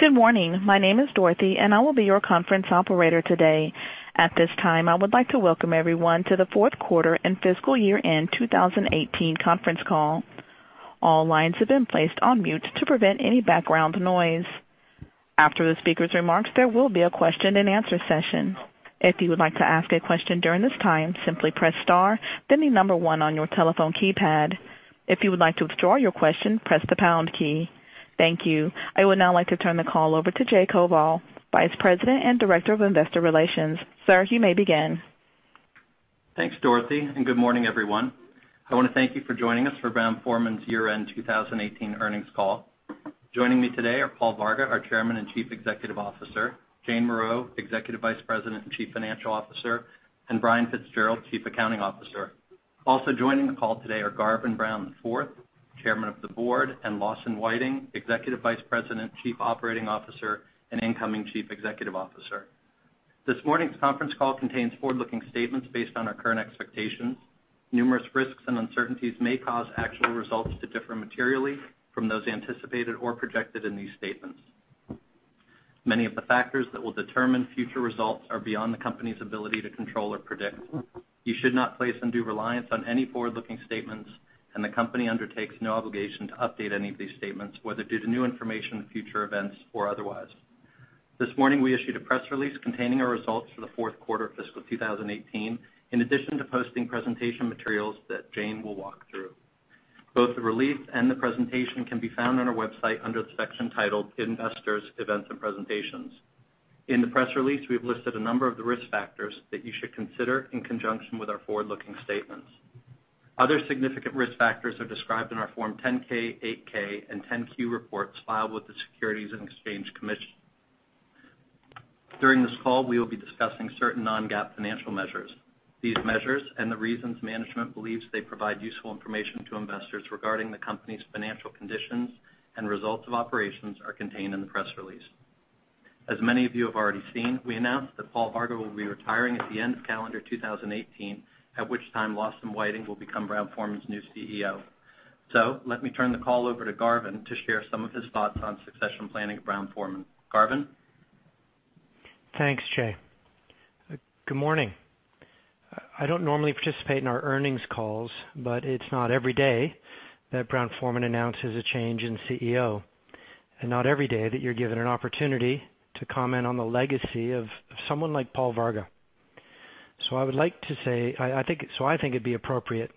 Good morning. My name is Dorothy, and I will be your Conference Operator today. At this time, I would like to welcome everyone to the fourth quarter and fiscal year-end 2018 conference call. All lines have been placed on mute to prevent any background noise. After the speaker's remarks, there will be a question and answer session. If you would like to ask a question during this time, simply press star, then 1 on your telephone keypad. If you would like to withdraw your question, press the pound key. Thank you. I would now like to turn the call over to Jay Koval, Vice President and Director of Investor Relations. Sir, you may begin. Thanks, Dorothy. Good morning, everyone. I want to thank you for joining us for Brown-Forman's year-end 2018 earnings call. Joining me today are Paul Varga, our Chairman and Chief Executive Officer, Jane Morreau, Executive Vice President and Chief Financial Officer, and Brian Fitzgerald, Chief Accounting Officer. Also joining the call today are Garvin Brown IV, Chairman of the Board, and Lawson Whiting, Executive Vice President, Chief Operating Officer, and incoming Chief Executive Officer. This morning's conference call contains forward-looking statements based on our current expectations. Numerous risks and uncertainties may cause actual results to differ materially from those anticipated or projected in these statements. Many of the factors that will determine future results are beyond the company's ability to control or predict. You should not place undue reliance on any forward-looking statements, and the company undertakes no obligation to update any of these statements, whether due to new information, future events, or otherwise. This morning, we issued a press release containing our results for the fourth quarter of fiscal 2018, in addition to posting presentation materials that Jane will walk through. Both the release and the presentation can be found on our website under the section titled Investors Events and Presentations. In the press release, we've listed a number of the risk factors that you should consider in conjunction with our forward-looking statements. Other significant risk factors are described in our Form 10-K, 8-K, and 10-Q reports filed with the Securities and Exchange Commission. During this call, we will be discussing certain non-GAAP financial measures. These measures and the reasons management believes they provide useful information to investors regarding the company's financial conditions and results of operations are contained in the press release. As many of you have already seen, we announced that Paul Varga will be retiring at the end of calendar 2018, at which time Lawson Whiting will become Brown-Forman's new CEO. Let me turn the call over to Garvin to share some of his thoughts on succession planning at Brown-Forman. Garvin? Thanks, Jay. Good morning. I do not normally participate in our earnings calls, but it is not every day that Brown-Forman announces a change in CEO, and not every day that you are given an opportunity to comment on the legacy of someone like Paul Varga. I think it would be appropriate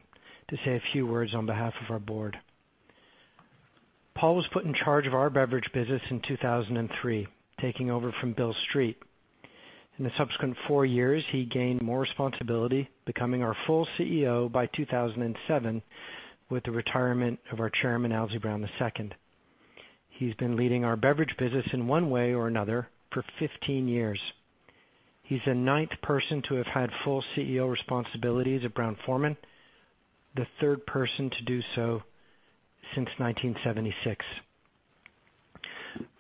to say a few words on behalf of our board. Paul was put in charge of our beverage business in 2003, taking over from Bill Street. In the subsequent four years, he gained more responsibility, becoming our full CEO by 2007 with the retirement of our Chairman, Owsley Brown II. He has been leading our beverage business in one way or another for 15 years. He is the ninth person to have had full CEO responsibilities at Brown-Forman, the third person to do so since 1976.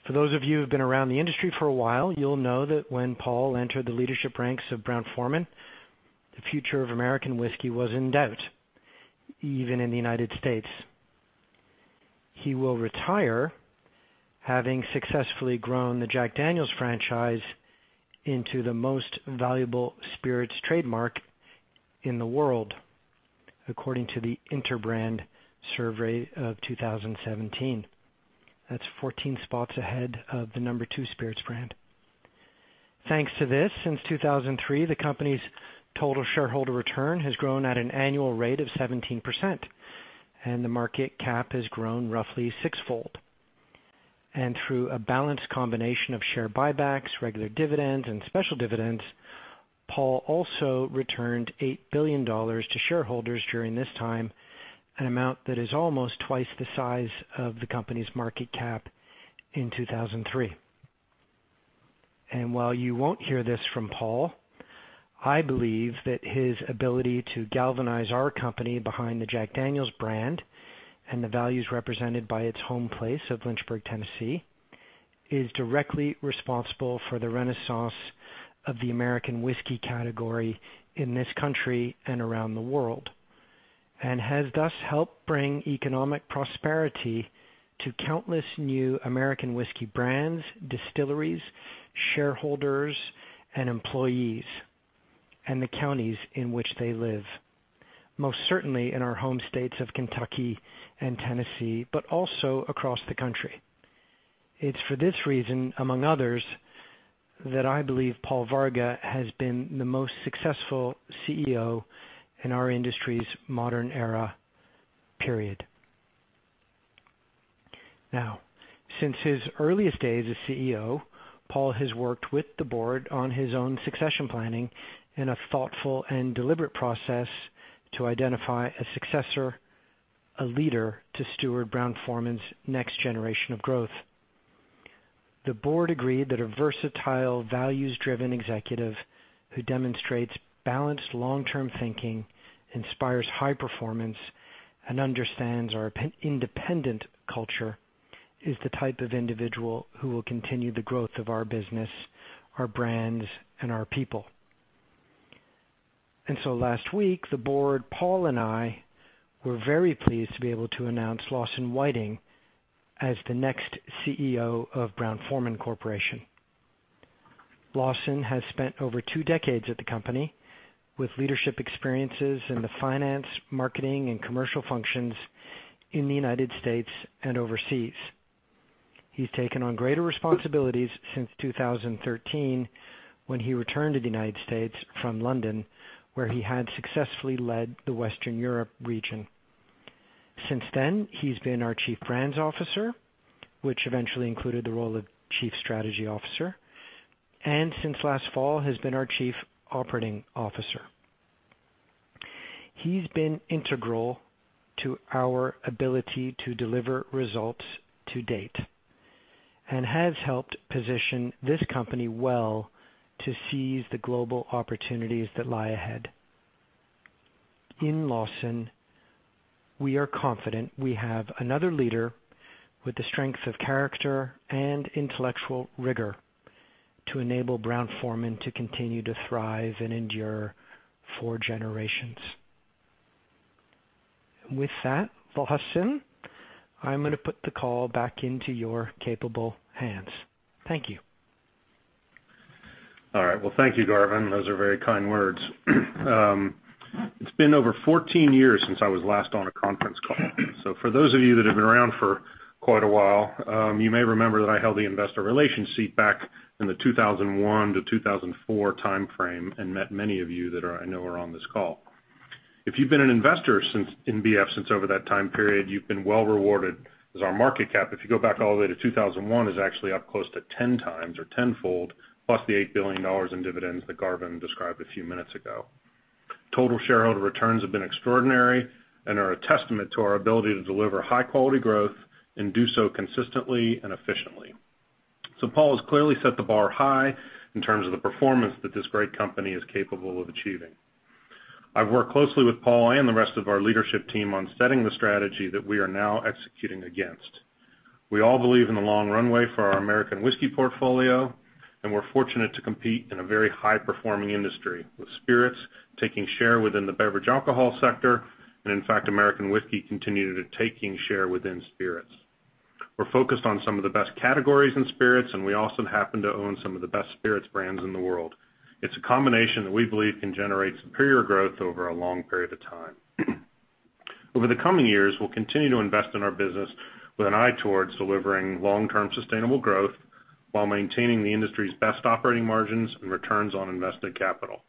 For those of you who have been around the industry for a while, you will know that when Paul entered the leadership ranks of Brown-Forman, the future of American whiskey was in doubt, even in the U.S. He will retire having successfully grown the Jack Daniel's franchise into the most valuable spirits trademark in the world, according to the Interbrand survey of 2017. That is 14 spots ahead of the number 2 spirits brand. Thanks to this, since 2003, the company's total shareholder return has grown at an annual rate of 17%, and the market cap has grown roughly sixfold. Through a balanced combination of share buybacks, regular dividends, and special dividends, Paul also returned $8 billion to shareholders during this time, an amount that is almost twice the size of the company's market cap in 2003. While you will not hear this from Paul, I believe that his ability to galvanize our company behind the Jack Daniel's brand and the values represented by its home place of Lynchburg, Tennessee, is directly responsible for the renaissance of the American whiskey category in this country and around the world, and has thus helped bring economic prosperity to countless new American whiskey brands, distilleries, shareholders, and employees, and the counties in which they live, most certainly in our home states of Kentucky and Tennessee, but also across the country. It is for this reason, among others, that I believe Paul Varga has been the most successful CEO in our industry's modern era, period. Since his earliest days as CEO, Paul has worked with the board on his own succession planning in a thoughtful and deliberate process to identify a successor, a leader, to steward Brown-Forman's next generation of growth. The board agreed that a versatile, values-driven executive who demonstrates balanced long-term thinking, inspires high performance, and understands our independent culture is the type of individual who will continue the growth of our business, our brands, and our people. Last week, the board, Paul, and I were very pleased to be able to announce Lawson Whiting as the next CEO of Brown-Forman Corporation. Lawson has spent over two decades at the company with leadership experiences in the finance, marketing, and commercial functions in the U.S. and overseas. He has taken on greater responsibilities since 2013, when he returned to the U.S. from London, where he had successfully led the Western Europe region. Since then, he has been our Chief Brands Officer, which eventually included the role of Chief Strategy Officer, and since last fall, has been our Chief Operating Officer. He's been integral to our ability to deliver results to date and has helped position this company well to seize the global opportunities that lie ahead. In Lawson, we are confident we have another leader with the strength of character and intellectual rigor to enable Brown-Forman to continue to thrive and endure for generations. With that, Lawson, I'm going to put the call back into your capable hands. Thank you. All right. Well, thank you, Garvin. Those are very kind words. It's been over 14 years since I was last on a conference call. For those of you that have been around for quite a while, you may remember that I held the investor relations seat back in the 2001 to 2004 timeframe and met many of you that I know are on this call. If you've been an investor in BF.B since over that time period, you've been well rewarded, as our market cap, if you go back all the way to 2001, is actually up close to 10 times or tenfold, plus the $8 billion in dividends that Garvin described a few minutes ago. Total shareholder returns have been extraordinary and are a testament to our ability to deliver high-quality growth and do so consistently and efficiently. Paul has clearly set the bar high in terms of the performance that this great company is capable of achieving. I've worked closely with Paul and the rest of our leadership team on setting the strategy that we are now executing against. We all believe in the long runway for our American whiskey portfolio, and we're fortunate to compete in a very high-performing industry, with spirits taking share within the beverage alcohol sector, and in fact, American whiskey continued taking share within spirits. We're focused on some of the best categories in spirits, and we also happen to own some of the best spirits brands in the world. It's a combination that we believe can generate superior growth over a long period of time. Over the coming years, we'll continue to invest in our business with an eye towards delivering long-term sustainable growth while maintaining the industry's best operating margins and returns on invested capital.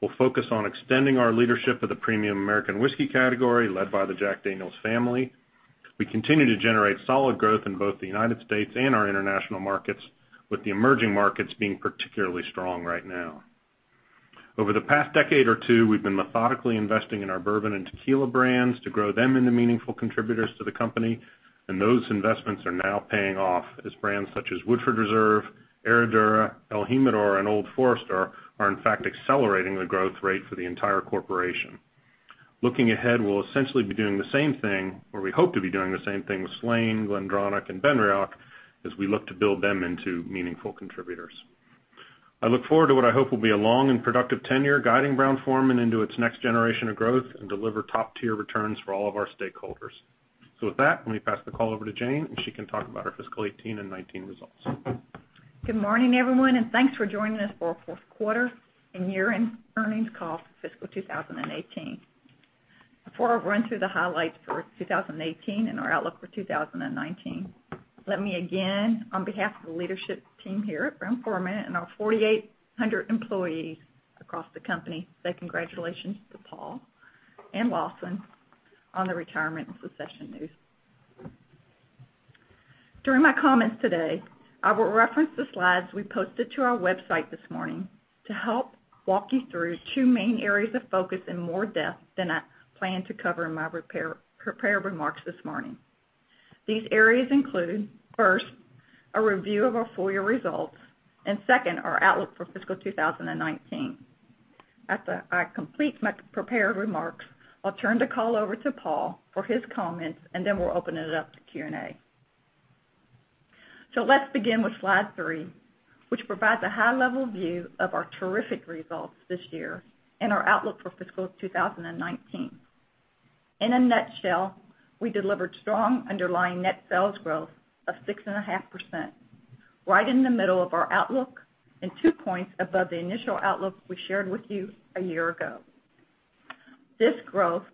We'll focus on extending our leadership of the premium American whiskey category led by the Jack Daniel's family. We continue to generate solid growth in both the United States and our international markets, with the emerging markets being particularly strong right now. Over the past decade or two, we've been methodically investing in our bourbon and tequila brands to grow them into meaningful contributors to the company, and those investments are now paying off as brands such as Woodford Reserve, Herradura, el Jimador, and Old Forester are in fact accelerating the growth rate for the entire corporation. Looking ahead, we'll essentially be doing the same thing, or we hope to be doing the same thing with Slane, GlenDronach, and Benriach, as we look to build them into meaningful contributors. I look forward to what I hope will be a long and productive tenure guiding Brown-Forman into its next generation of growth and deliver top-tier returns for all of our stakeholders. With that, let me pass the call over to Jane, and she can talk about our fiscal 2018 and 2019 results. Good morning, everyone, and thanks for joining us for our fourth quarter and year-end earnings call for fiscal 2018. Before I run through the highlights for 2018 and our outlook for 2019, let me again, on behalf of the leadership team here at Brown-Forman and our 4,800 employees across the company, say congratulations to Paul and Lawson on the retirement and succession news. During my comments today, I will reference the slides we posted to our website this morning to help walk you through two main areas of focus in more depth than I plan to cover in my prepared remarks this morning. These areas include, first, a review of our full-year results, and second, our outlook for fiscal 2019. After I complete my prepared remarks, I'll turn the call over to Paul for his comments, and then we'll open it up to Q&A. Let's begin with slide three, which provides a high-level view of our terrific results this year and our outlook for fiscal 2019. In a nutshell, we delivered strong underlying net sales growth of 6.5%, right in the middle of our outlook and two points above the initial outlook we shared with you a year ago. This growth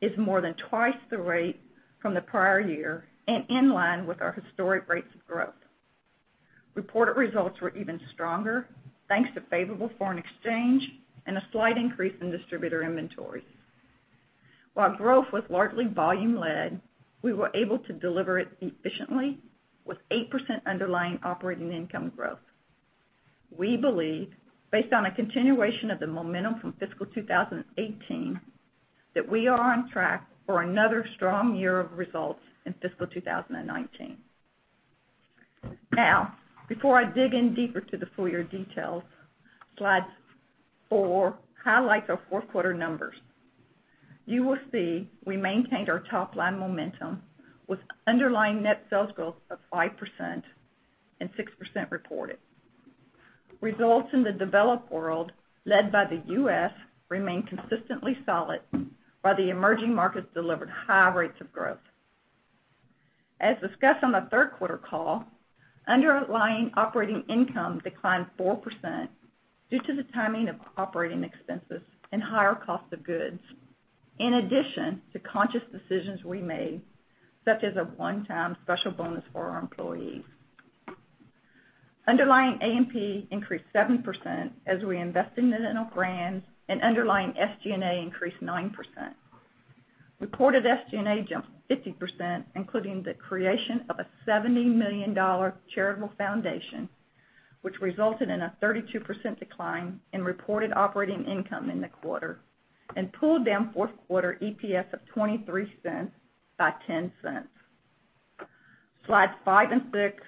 is more than twice the rate from the prior year and in line with our historic rates of growth. Reported results were even stronger, thanks to favorable foreign exchange and a slight increase in distributor inventories. While growth was largely volume-led, we were able to deliver it efficiently with 8% underlying operating income growth. We believe, based on a continuation of the momentum from fiscal 2018, that we are on track for another strong year of results in fiscal 2019. Now, before I dig in deeper to the full-year details, slide four highlights our fourth-quarter numbers. You will see we maintained our top-line momentum with underlying net sales growth of 5% and 6% reported. Results in the developed world, led by the U.S., remained consistently solid, while the emerging markets delivered high rates of growth. As discussed on the third quarter call, underlying operating income declined 4% due to the timing of operating expenses and higher cost of goods, in addition to conscious decisions we made, such as a one-time special bonus for our employees. Underlying A&P increased 7% as we invested in our brands, and underlying SG&A increased 9%. Reported SG&A jumped 50%, including the creation of a $70 million charitable foundation, which resulted in a 32% decline in reported operating income in the quarter and pulled down fourth quarter EPS of $0.23 by $0.10. Slides five and six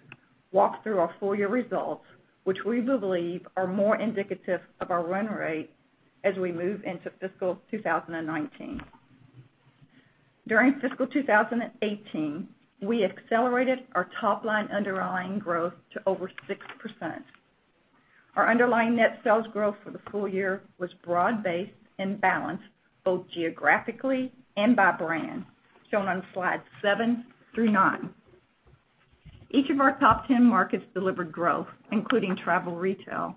walk through our full-year results, which we believe are more indicative of our run rate as we move into fiscal 2019. During fiscal 2018, we accelerated our top-line underlying growth to over 6%. Our underlying net sales growth for the full year was broad-based and balanced, both geographically and by brand, shown on slides seven through nine. Each of our top 10 markets delivered growth, including travel retail.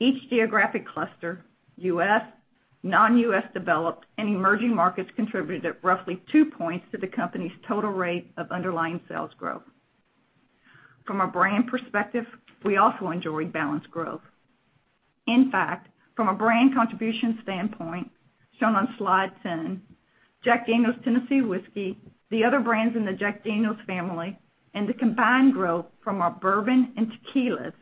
Each geographic cluster, U.S., non-U.S. developed, and emerging markets contributed roughly two points to the company's total rate of underlying sales growth. From a brand perspective, we also enjoyed balanced growth. In fact, from a brand contribution standpoint, shown on slide 10, Jack Daniel's Tennessee Whiskey, the other brands in the Jack Daniel's family, and the combined growth from our bourbon and tequilas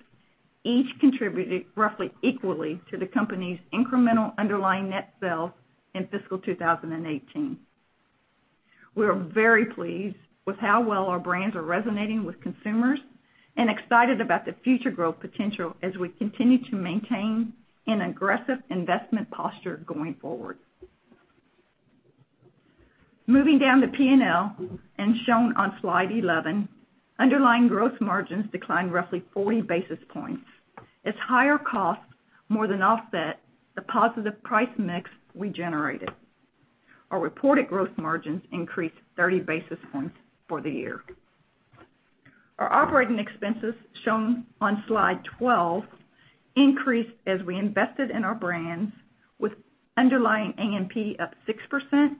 each contributed roughly equally to the company's incremental underlying net sales in fiscal 2018. We are very pleased with how well our brands are resonating with consumers and excited about the future growth potential as we continue to maintain an aggressive investment posture going forward. Moving down the P&L, and shown on slide 11, underlying growth margins declined roughly 40 basis points as higher costs more than offset the positive price mix we generated. Our reported growth margins increased 30 basis points for the year. Our operating expenses, shown on slide 12, increased as we invested in our brands, with underlying A&P up 6%,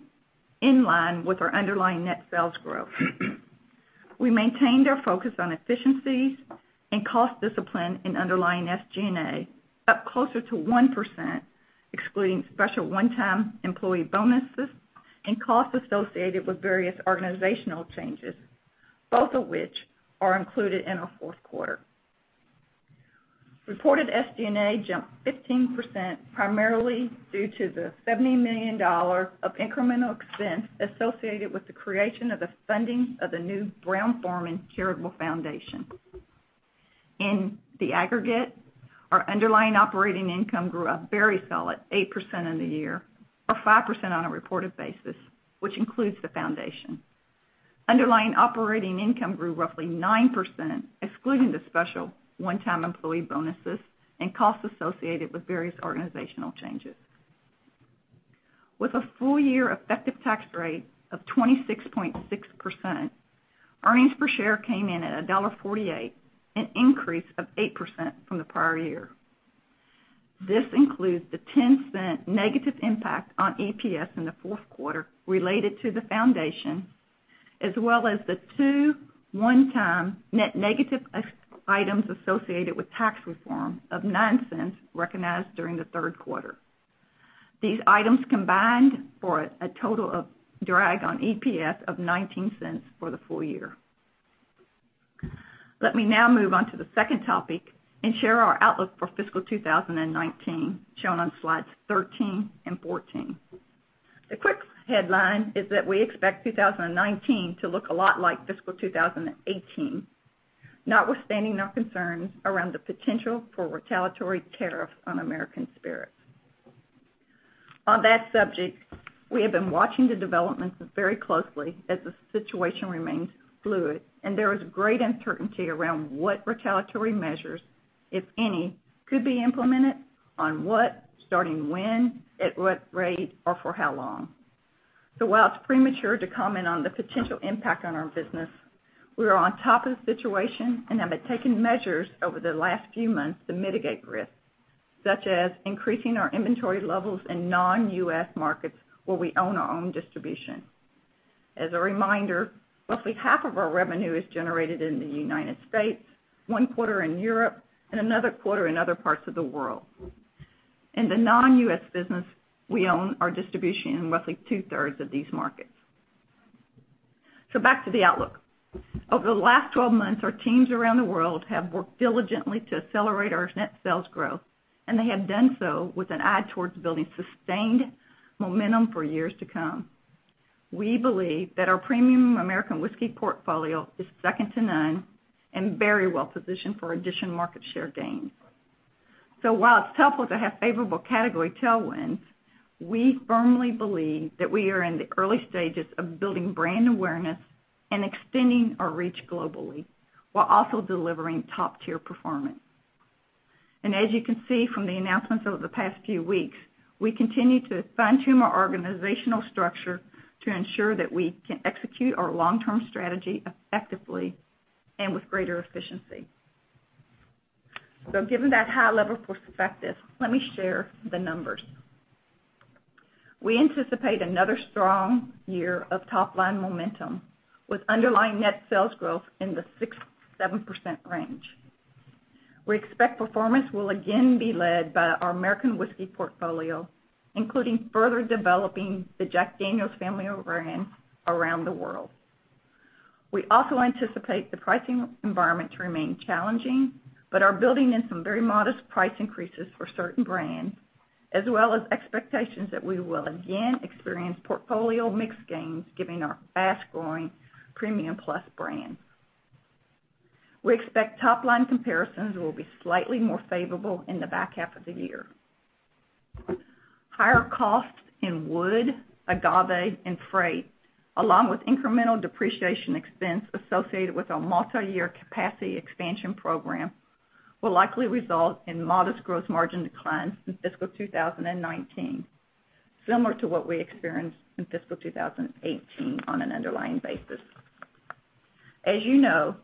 in line with our underlying net sales growth. We maintained our focus on efficiencies and cost discipline in underlying SG&A, up closer to 1%, excluding special one-time employee bonuses and costs associated with various organizational changes, both of which are included in our fourth quarter. Reported SG&A jumped 15%, primarily due to the $70 million of incremental expense associated with the creation of the funding of the new Brown-Forman Charitable Foundation. In the aggregate, our underlying operating income grew a very solid 8% in the year, or 5% on a reported basis, which includes the foundation. Underlying operating income grew roughly 9%, excluding the special one-time employee bonuses and costs associated with various organizational changes. With a full-year effective tax rate of 26.6%, earnings per share came in at $1.48, an increase of 8% from the prior year. This includes the $0.10 negative impact on EPS in the fourth quarter related to the foundation, as well as the two one-time net negative items associated with tax reform of $0.09 recognized during the third quarter. These items combined for a total of drag on EPS of $0.19 for the full year. Let me now move on to the second topic and share our outlook for fiscal 2019, shown on slides 13 and 14. The quick headline is that we expect 2019 to look a lot like fiscal 2018, notwithstanding our concerns around the potential for retaliatory tariffs on American spirits. On that subject, we have been watching the developments very closely as the situation remains fluid and there is great uncertainty around what retaliatory measures, if any, could be implemented, on what, starting when, at what rate, or for how long. So while it's premature to comment on the potential impact on our business, we are on top of the situation and have been taking measures over the last few months to mitigate risks, such as increasing our inventory levels in non-U.S. markets where we own our own distribution. As a reminder, roughly half of our revenue is generated in the U.S., one quarter in Europe, and another quarter in other parts of the world. In the non-U.S. business, we own our distribution in roughly two-thirds of these markets. Back to the outlook. Over the last 12 months, our teams around the world have worked diligently to accelerate our net sales growth, and they have done so with an eye towards building sustained momentum for years to come. We believe that our premium American whiskey portfolio is second to none and very well positioned for additional market share gains. While it is helpful to have favorable category tailwinds, we firmly believe that we are in the early stages of building brand awareness and extending our reach globally, while also delivering top-tier performance. As you can see from the announcements over the past few weeks, we continue to fine-tune our organizational structure to ensure that we can execute our long-term strategy effectively and with greater efficiency. Given that high level perspective, let me share the numbers. We anticipate another strong year of top-line momentum, with underlying net sales growth in the 6%-7% range. We expect performance will again be led by our American whiskey portfolio, including further developing the Jack Daniel's family of brands around the world. We also anticipate the pricing environment to remain challenging, but are building in some very modest price increases for certain brands, as well as expectations that we will again experience portfolio mix gains, given our fast-growing premium plus brands. We expect top-line comparisons will be slightly more favorable in the back half of the year. Higher costs in wood, agave, and freight, along with incremental depreciation expense associated with our multi-year capacity expansion program, will likely result in modest growth margin declines in fiscal 2019, similar to what we experienced in fiscal 2018 on an underlying basis. As you know,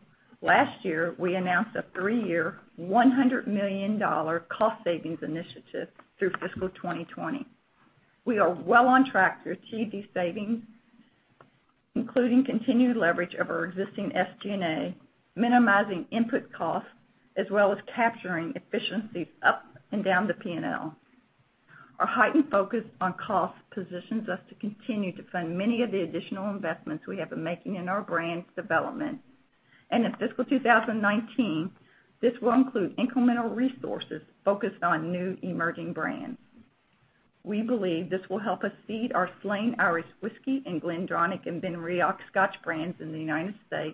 last year, we announced a three-year, $100 million cost savings initiative through fiscal 2020. We are well on track to achieve these savings, including continued leverage of our existing SG&A, minimizing input costs, as well as capturing efficiencies up and down the P&L. Our heightened focus on cost positions us to continue to fund many of the additional investments we have been making in our brand development. In fiscal 2019, this will include incremental resources focused on new emerging brands. We believe this will help us seed our Slane Irish Whiskey and GlenDronach and Benriach Scotch brands in the U.S.,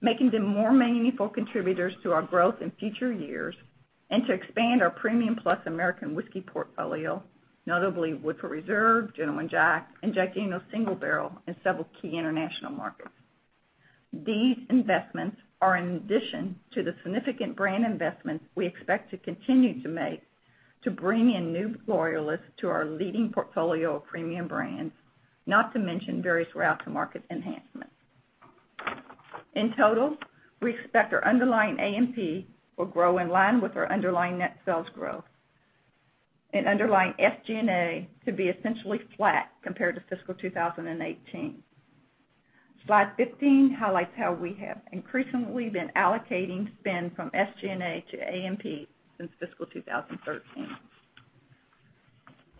making them more meaningful contributors to our growth in future years, and to expand our premium plus American whiskey portfolio, notably Woodford Reserve, Gentleman Jack, and Jack Daniel's Single Barrel in several key international markets. These investments are in addition to the significant brand investments we expect to continue to make to bring in new loyalists to our leading portfolio of premium brands, not to mention various route-to-market enhancements. In total, we expect our underlying A&P will grow in line with our underlying net sales growth and underlying SG&A to be essentially flat compared to fiscal 2018. Slide 15 highlights how we have increasingly been allocating spend from SG&A to A&P since fiscal 2013.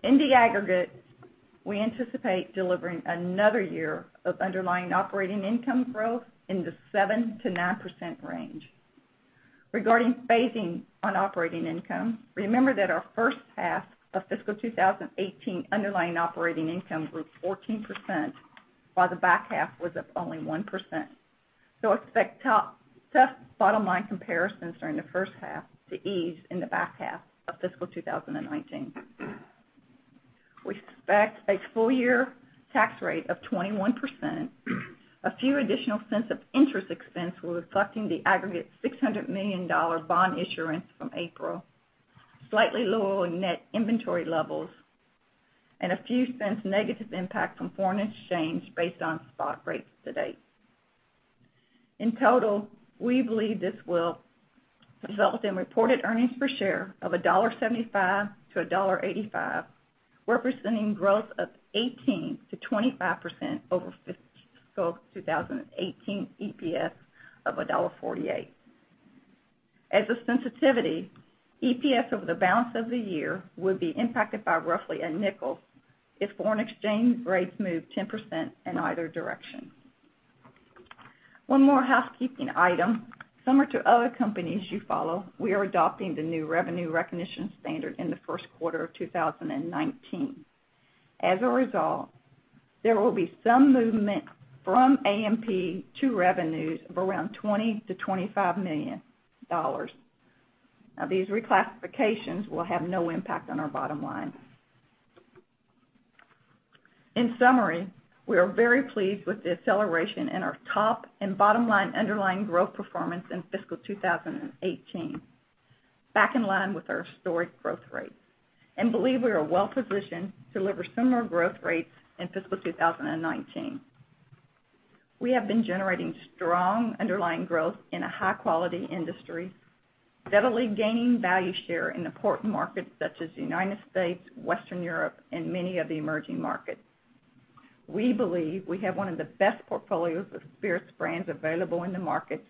In the aggregate, we anticipate delivering another year of underlying operating income growth in the 7%-9% range. Regarding phasing on operating income, remember that our first half of fiscal 2018 underlying operating income grew 14%, while the back half was up only 1%. Expect tough bottom-line comparisons during the first half to ease in the back half of fiscal 2019. We expect a full-year tax rate of 21%, a few additional cents of interest expense reflecting the aggregate $600 million bond issuance from April, slightly lower net inventory levels, and a few cents negative impact from foreign exchange based on spot rates to date. In total, we believe this will result in reported earnings per share of $1.75-$1.85, representing growth of 18%-25% over fiscal 2018 EPS of $1.48. As a sensitivity, EPS over the balance of the year would be impacted by roughly $0.05 if foreign exchange rates move 10% in either direction. One more housekeeping item. Similar to other companies you follow, we are adopting the new revenue recognition standard in the first quarter of 2019. As a result, there will be some movement from A&P to revenues of around $20 million-$25 million. These reclassifications will have no impact on our bottom line. In summary, we are very pleased with the acceleration in our top and bottom-line underlying growth performance in fiscal 2018, back in line with our historic growth rates, and believe we are well positioned to deliver similar growth rates in fiscal 2019. We have been generating strong underlying growth in a high-quality industry, steadily gaining value share in important markets such as the United States, Western Europe, and many of the emerging markets. We believe we have one of the best portfolios of spirits brands available in the market,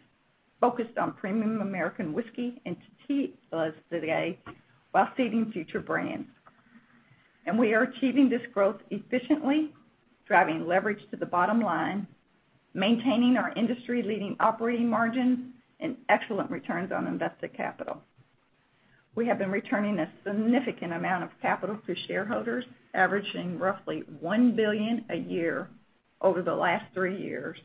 focused on premium American whiskey and tequila today, while seeding future brands. We are achieving this growth efficiently, driving leverage to the bottom line, maintaining our industry-leading operating margin and excellent returns on invested capital. We have been returning a significant amount of capital to shareholders, averaging roughly $1 billion a year over the last three years,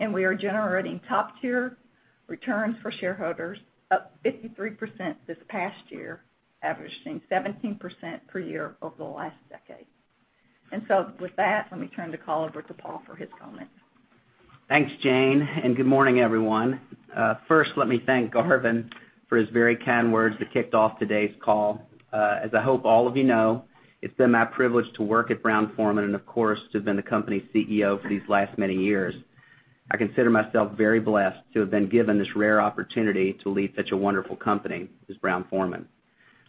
and we are generating top-tier returns for shareholders, up 53% this past year, averaging 17% per year over the last decade. With that, let me turn the call over to Paul for his comments. Thanks, Jane, and good morning, everyone. First, let me thank Garvin for his very kind words that kicked off today's call. As I hope all of you know, it's been my privilege to work at Brown-Forman and, of course, to have been the company's CEO for these last many years. I consider myself very blessed to have been given this rare opportunity to lead such a wonderful company as Brown-Forman.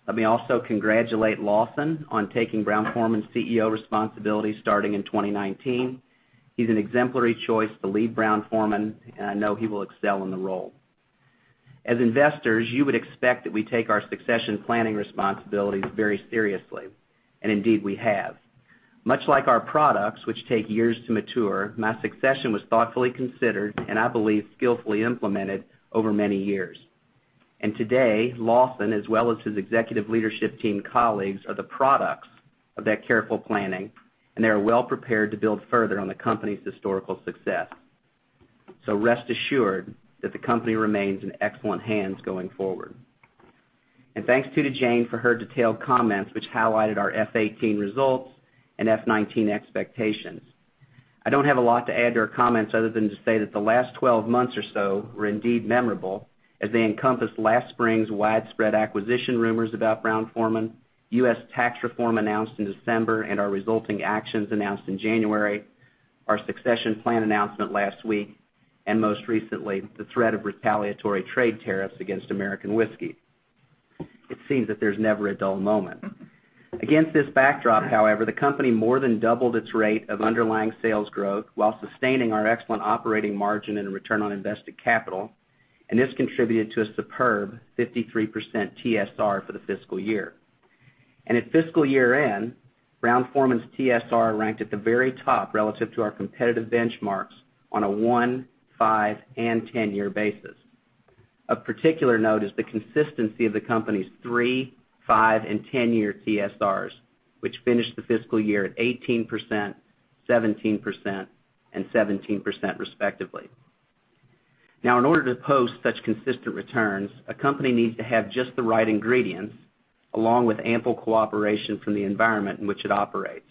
Let me also congratulate Lawson on taking Brown-Forman's CEO responsibility starting in 2019. He's an exemplary choice to lead Brown-Forman, and I know he will excel in the role. As investors, you would expect that we take our succession planning responsibilities very seriously, and indeed we have. Much like our products, which take years to mature, my succession was thoughtfully considered and, I believe, skillfully implemented over many years. Today, Lawson Whiting, as well as his executive leadership team colleagues, are the products of that careful planning, and they are well prepared to build further on the company's historical success. Rest assured that the company remains in excellent hands going forward. Thanks too to Jane Morreau for her detailed comments, which highlighted our FY 2018 results and FY 2019 expectations. I don't have a lot to add to her comments other than to say that the last 12 months or so were indeed memorable, as they encompassed last spring's widespread acquisition rumors about Brown-Forman, U.S. tax reform announced in December, and our resulting actions announced in January, our succession plan announcement last week, and most recently, the threat of retaliatory trade tariffs against American whiskey. It seems that there's never a dull moment. Against this backdrop, however, the company more than doubled its rate of underlying sales growth while sustaining our excellent operating margin and return on invested capital, and this contributed to a superb 53% TSR for the fiscal year. At fiscal year-end, Brown-Forman's TSR ranked at the very top relative to our competitive benchmarks on a one, five, and 10-year basis. Of particular note is the consistency of the company's three, five, and 10-year TSRs, which finished the fiscal year at 18%, 17%, and 17% respectively. Now, in order to post such consistent returns, a company needs to have just the right ingredients along with ample cooperation from the environment in which it operates.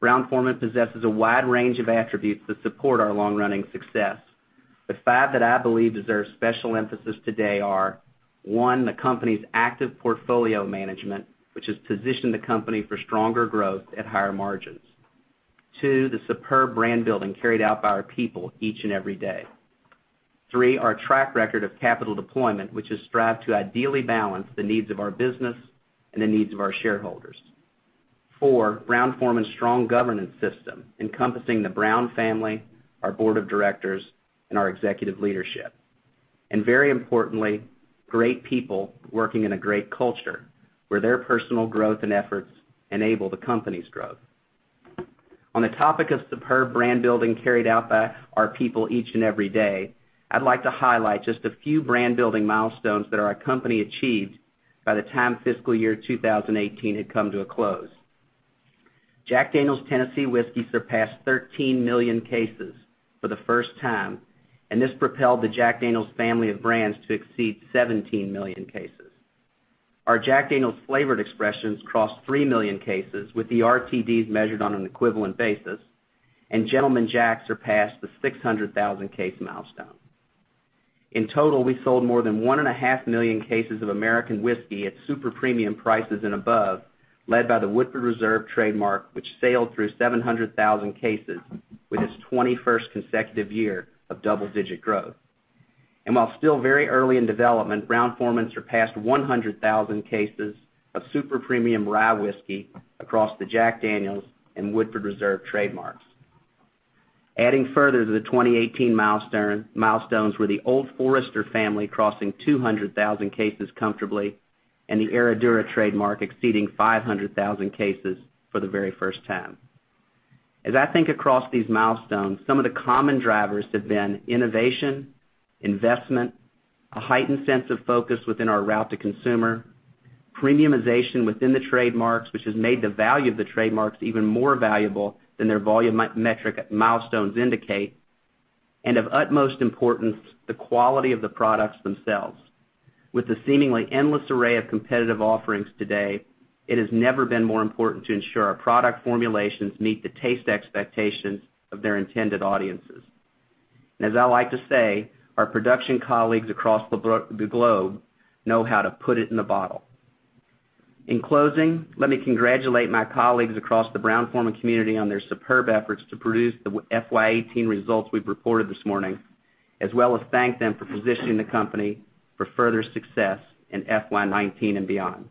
Brown-Forman possesses a wide range of attributes that support our long-running success. The five that I believe deserve special emphasis today are, one, the company's active portfolio management, which has positioned the company for stronger growth at higher margins. Two, the superb brand-building carried out by our people each and every day. Three, our track record of capital deployment, which has strived to ideally balance the needs of our business and the needs of our shareholders. Four, Brown-Forman's strong governance system, encompassing the Brown family, our board of directors, and our executive leadership. Very importantly, great people working in a great culture where their personal growth and efforts enable the company's growth. On the topic of superb brand-building carried out by our people each and every day, I'd like to highlight just a few brand-building milestones that our company achieved by the time fiscal year 2018 had come to a close. Jack Daniel's Tennessee Whiskey surpassed 13 million cases for the first time, and this propelled the Jack Daniel's family of brands to exceed 17 million cases. Our Jack Daniel's flavored expressions crossed 3 million cases, with the RTDs measured on an equivalent basis, and Gentleman Jack surpassed the 600,000 case milestone. In total, we sold more than 1.5 million cases of American whiskey at super premium prices and above, led by the Woodford Reserve trademark, which sailed through 700,000 cases with its 21st consecutive year of double-digit growth. While still very early in development, Brown-Forman surpassed 100,000 cases of super premium rye whiskey across the Jack Daniel's and Woodford Reserve trademarks. Adding further to the 2018 milestones were the Old Forester family crossing 200,000 cases comfortably and the Herradura trademark exceeding 500,000 cases for the very first time. As I think across these milestones, some of the common drivers have been innovation, investment, a heightened sense of focus within our route to consumer, premiumization within the trademarks, which has made the value of the trademarks even more valuable than their volume metric milestones indicate, and of utmost importance, the quality of the products themselves. With the seemingly endless array of competitive offerings today, it has never been more important to ensure our product formulations meet the taste expectations of their intended audiences. As I like to say, our production colleagues across the globe know how to put it in the bottle. In closing, let me congratulate my colleagues across the Brown-Forman community on their superb efforts to produce the FY 2018 results we've reported this morning, as well as thank them for positioning the company for further success in FY 2019 and beyond.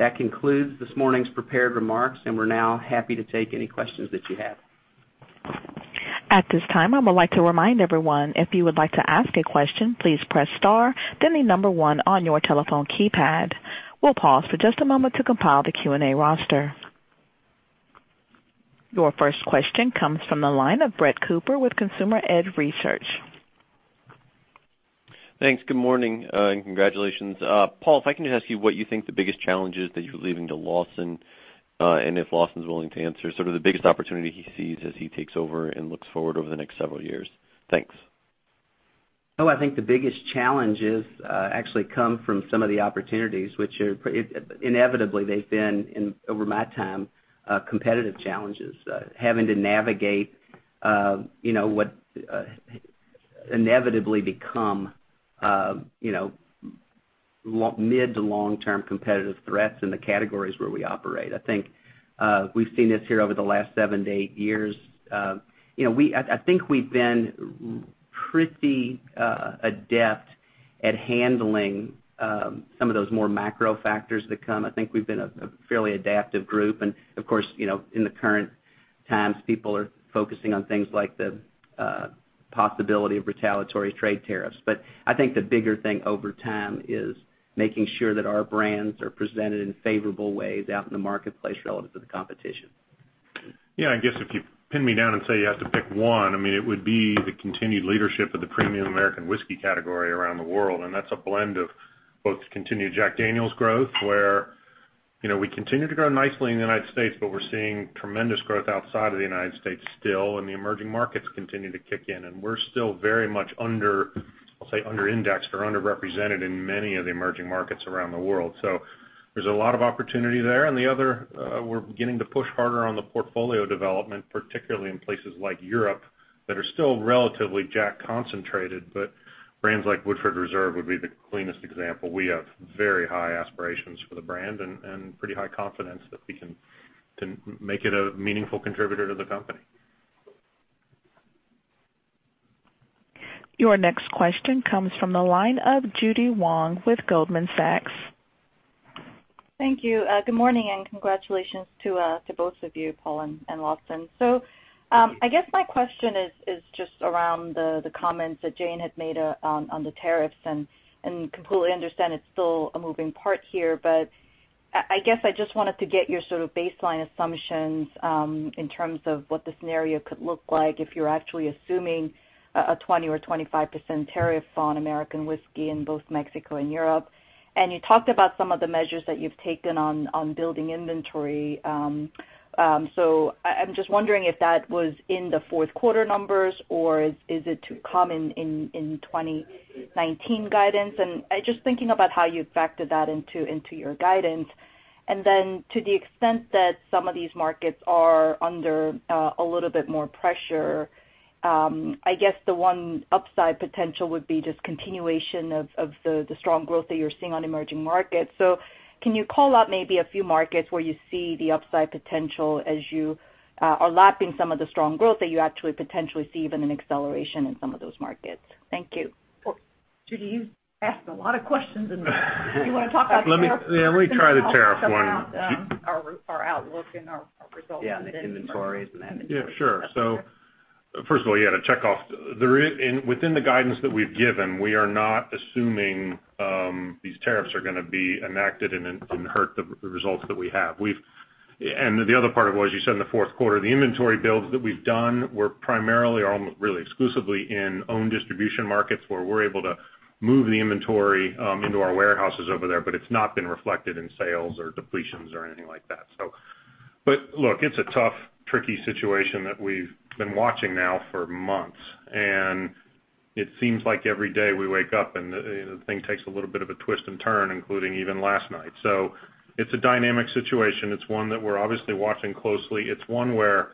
That concludes this morning's prepared remarks, and we're now happy to take any questions that you have. At this time, I would like to remind everyone, if you would like to ask a question, please press star, then the number one on your telephone keypad. We'll pause for just a moment to compile the Q&A roster. Your first question comes from the line of Brett Cooper with Consumer Edge Research. Thanks. Good morning, and congratulations. Paul, if I can just ask you what you think the biggest challenge is that you're leaving to Lawson, and if Lawson's willing to answer sort of the biggest opportunity he sees as he takes over and looks forward over the next several years. Thanks. I think the biggest challenges actually come from some of the opportunities, which inevitably they've been, over my time, competitive challenges. Having to navigate what inevitably become mid to long-term competitive threats in the categories where we operate. I think we've seen this here over the last seven to eight years. I think we've been pretty adept at handling some of those more macro factors that come. I think we've been a fairly adaptive group. Of course, in the current times, people are focusing on things like the possibility of retaliatory trade tariffs. I think the bigger thing over time is making sure that our brands are presented in favorable ways out in the marketplace relative to the competition. I guess if you pin me down and say you have to pick one, it would be the continued leadership of the premium American whiskey category around the world. That's a blend of both continued Jack Daniel's growth, where we continue to grow nicely in the U.S., but we're seeing tremendous growth outside of the U.S. still. The emerging markets continue to kick in. We're still very much under, I'll say, under-indexed or underrepresented in many of the emerging markets around the world. There's a lot of opportunity there. The other, we're beginning to push harder on the portfolio development, particularly in places like Europe, that are still relatively Jack concentrated, but brands like Woodford Reserve would be the cleanest example. We have very high aspirations for the brand and pretty high confidence that we can make it a meaningful contributor to the company. Your next question comes from the line of Judy Hong with Goldman Sachs. Thank you. Good morning. Congratulations to both of you, Paul Varga and Lawson Whiting. I guess my question is just around the comments that Jane Morreau had made on the tariffs, and completely understand it's still a moving part here, but I guess I just wanted to get your sort of baseline assumptions, in terms of what the scenario could look like if you're actually assuming a 20% or 25% tariff on American whiskey in both Mexico and Europe. You talked about some of the measures that you've taken on building inventory. I'm just wondering if that was in the fourth quarter numbers or is it to come in 2019 guidance? Just thinking about how you've factored that into your guidance. To the extent that some of these markets are under a little bit more pressure, I guess the one upside potential would be just continuation of the strong growth that you're seeing on emerging markets. Can you call out maybe a few markets where you see the upside potential as you are lapping some of the strong growth that you actually potentially see even an acceleration in some of those markets? Thank you. Judy Hong, you've asked a lot of questions. Do you want to talk about the tariff? Let me try the tariff one. Talk about our outlook and our results. The inventories and that. Sure. First of all, to check off, within the guidance that we've given, we are not assuming these tariffs are going to be enacted and hurt the results that we have. The other part of what, as you said, in the fourth quarter, the inventory builds that we've done were primarily, or really exclusively, in own distribution markets where we're able to move the inventory into our warehouses over there, it's not been reflected in sales or depletions or anything like that. Look, it's a tough, tricky situation that we've been watching now for months, and it seems like every day we wake up and the thing takes a little bit of a twist and turn, including even last night. It's a dynamic situation. It's one that we're obviously watching closely. It's one where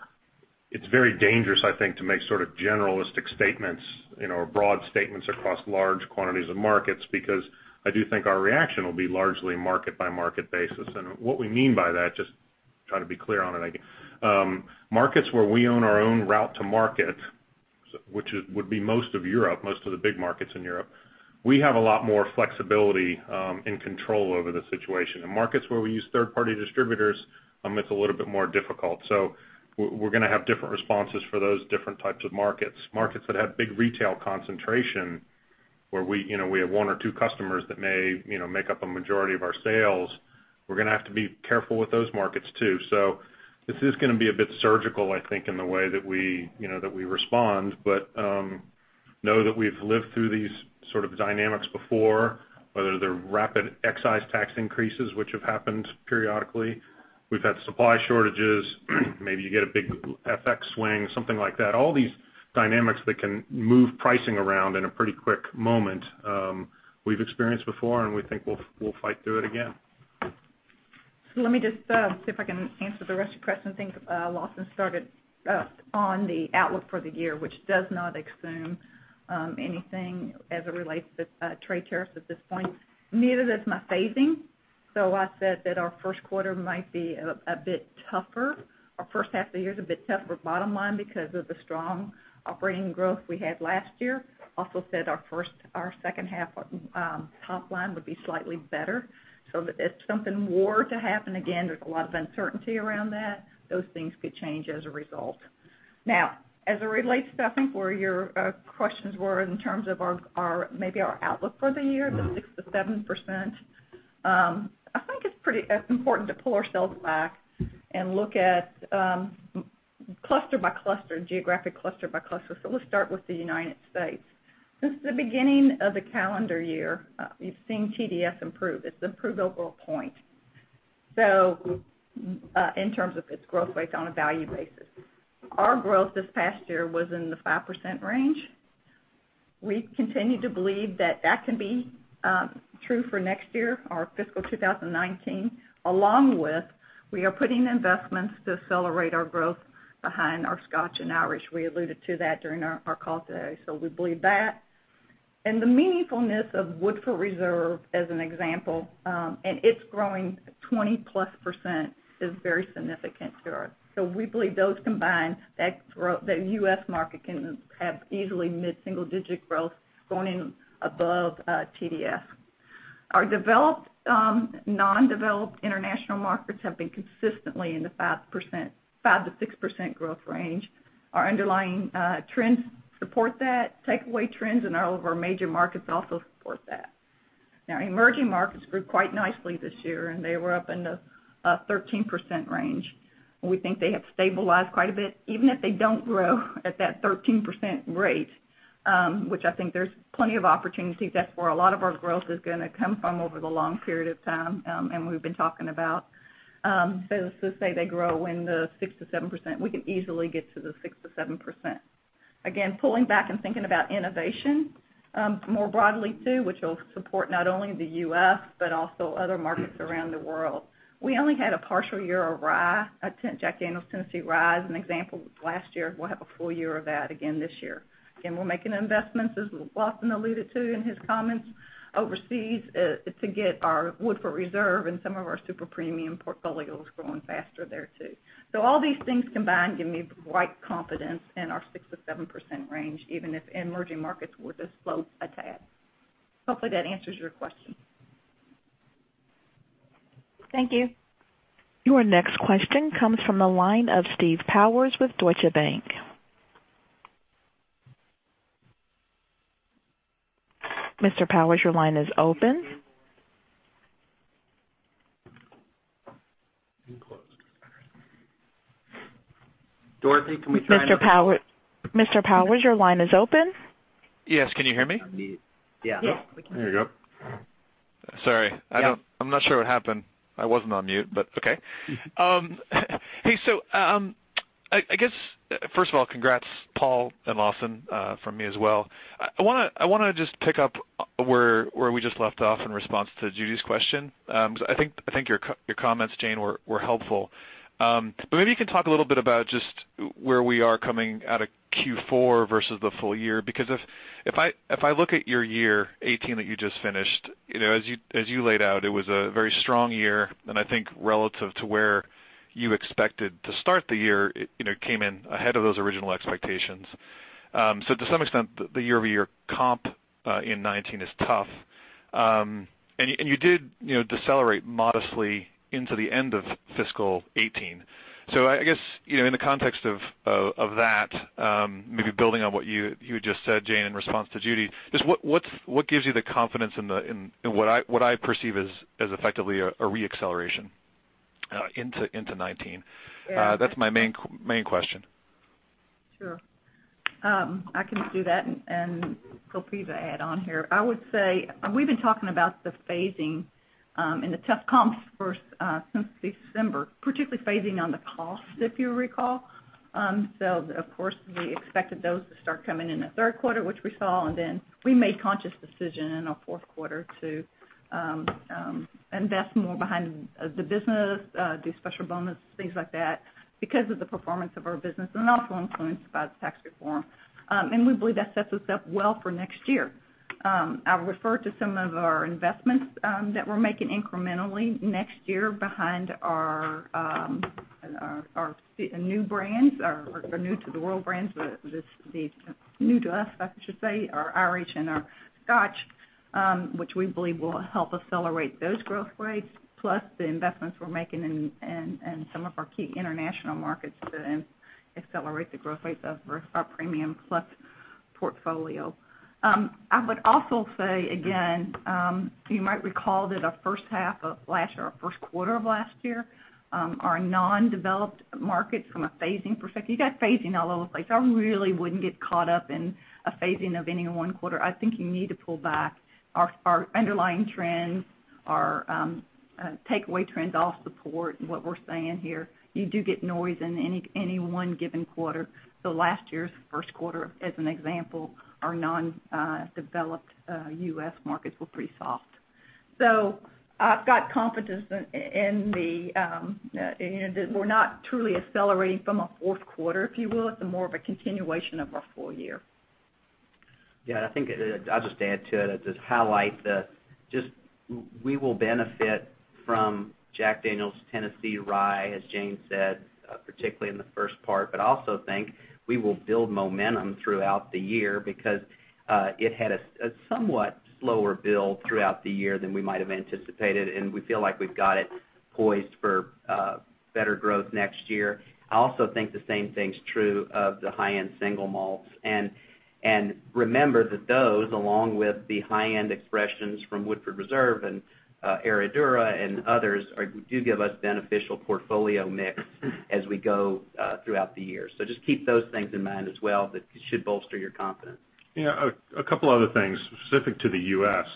it's very dangerous, I think, to make sort of generalistic statements, or broad statements across large quantities of markets, because I do think our reaction will be largely market by market basis. What we mean by that, just try to be clear on it, I guess. Markets where we own our own route to market, which would be most of Europe, most of the big markets in Europe, we have a lot more flexibility and control over the situation. In markets where we use third-party distributors, it's a little bit more difficult. We're going to have different responses for those different types of markets. Markets that have big retail concentration, where we have one or two customers that may make up a majority of our sales, we're going to have to be careful with those markets, too. This is going to be a bit surgical, I think, in the way that we respond, know that we've lived through these sort of dynamics before, whether they're rapid excise tax increases, which have happened periodically. We've had supply shortages. Maybe you get a big FX swing, something like that. All these dynamics that can move pricing around in a pretty quick moment, we've experienced before, we think we'll fight through it again. Let me just see if I can answer the rest of your question. I think Lawson Whiting started on the outlook for the year, which does not assume anything as it relates to trade tariffs at this point. Neither does my phasing. I said that our first quarter might be a bit tougher. Our first half of the year is a bit tougher bottom line because of the strong operating growth we had last year. Also said our second half top line would be slightly better. If something were to happen, again, there's a lot of uncertainty around that. Those things could change as a result. As it relates, Steve, where your questions were in terms of maybe our outlook for the year, the 6%-7%. I think it's important to pull ourselves back and look at geographic cluster by cluster. Let's start with the U.S. Since the beginning of the calendar year, we've seen TDS improve. It's improved over a point. In terms of its growth rate on a value basis. Our growth this past year was in the 5% range. We continue to believe that that can be true for next year, our fiscal 2019, along with we are putting investments to accelerate our growth behind our Scotch and Irish. We alluded to that during our call today. We believe that. And the meaningfulness of Woodford Reserve, as an example, and it's growing 20+% is very significant to us. We believe those combined, the U.S. market can have easily mid-single digit growth going above TDS. Our developed and emerging international markets have been consistently in the 5%-6% growth range. Our underlying trends support that. Takeaway trends in all of our major markets also support that. Emerging markets grew quite nicely this year, and they were up in the 13% range. We think they have stabilized quite a bit, even if they don't grow at that 13% rate, which I think there's plenty of opportunities. That's where a lot of our growth is going to come from over the long period of time, and we've been talking about. Let's just say they grow in the 6%-7%, we can easily get to the 6%-7%. Again, pulling back and thinking about innovation, more broadly too, which will support not only the U.S. but also other markets around the world. We only had a partial year of Jack Daniel's Tennessee Rye, as an example, last year. We'll have a full year of that again this year. We're making investments, as Lawson Whiting alluded to in his comments, overseas to get our Woodford Reserve and some of our super premium portfolios growing faster there, too. All these things combined give me the right confidence in our 6%-7% range, even if emerging markets were to slow a tad. Hopefully, that answers your question. Thank you. Your next question comes from the line of Steve Powers with Deutsche Bank. Mr. Powers, your line is open. Closed. Dorothy, can we try. Mr. Powers, your line is open. Yes. Can you hear me? You're on mute. Yeah. There you go. Sorry. Yeah. I'm not sure what happened. I wasn't on mute, but okay. Hey, I guess, first of all, congrats, Paul and Lawson, from me as well. I want to just pick up where we just left off in response to Judy's question. I think your comments, Jane, were helpful. Maybe you can talk a little bit about just where we are coming out of Q4 versus the full year. If I look at your year 2018 that you just finished, as you laid out, it was a very strong year. I think relative to where you expected to start the year, it came in ahead of those original expectations. To some extent, the year-over-year comp in 2019 is tough. You did decelerate modestly into the end of fiscal 2018. I guess, in the context of that, maybe building on what you just said, Jane, in response to Judy, just what gives you the confidence in what I perceive as effectively a re-acceleration into 2019? Yeah. That's my main question. Sure. I can do that and feel free to add on here. I would say, we've been talking about the phasing and the tough comps first since December, particularly phasing on the cost, if you recall. Of course, we expected those to start coming in the third quarter, which we saw, and then we made conscious decision in our fourth quarter to invest more behind the business, do special bonus, things like that, because of the performance of our business and also influenced by the tax reform. We believe that sets us up well for next year. I'll refer to some of our investments that we're making incrementally next year behind our new brands, or new to the world brands. These new to us, I should say, our Irish and our Scotch, which we believe will help accelerate those growth rates, plus the investments we're making in some of our key international markets to accelerate the growth rates of our premium-plus portfolio. I would also say again, you might recall that our first half of last year or first quarter of last year, our non-developed markets from a phasing perspective. You got phasing all over the place. I really wouldn't get caught up in a phasing of any one quarter. I think you need to pull back. Our underlying trends, our takeaway trends all support what we're saying here. You do get noise in any one given quarter. Last year's first quarter, as an example, our non-developed U.S. markets were pretty soft. I've got confidence in that we're not truly accelerating from a fourth quarter, if you will. It's more of a continuation of our full year. I think I'll just add to it. I'll just highlight that we will benefit from Jack Daniel's Tennessee Rye, as Jane said, particularly in the first part. I also think we will build momentum throughout the year because it had a somewhat slower build throughout the year than we might have anticipated, and we feel like we've got it poised for Better growth next year. I also think the same thing's true of the high-end single malts. Remember that those, along with the high-end expressions from Woodford Reserve and Herradura and others, do give us beneficial portfolio mix as we go throughout the year. Just keep those things in mind as well, that should bolster your confidence. A couple other things specific to the U.S.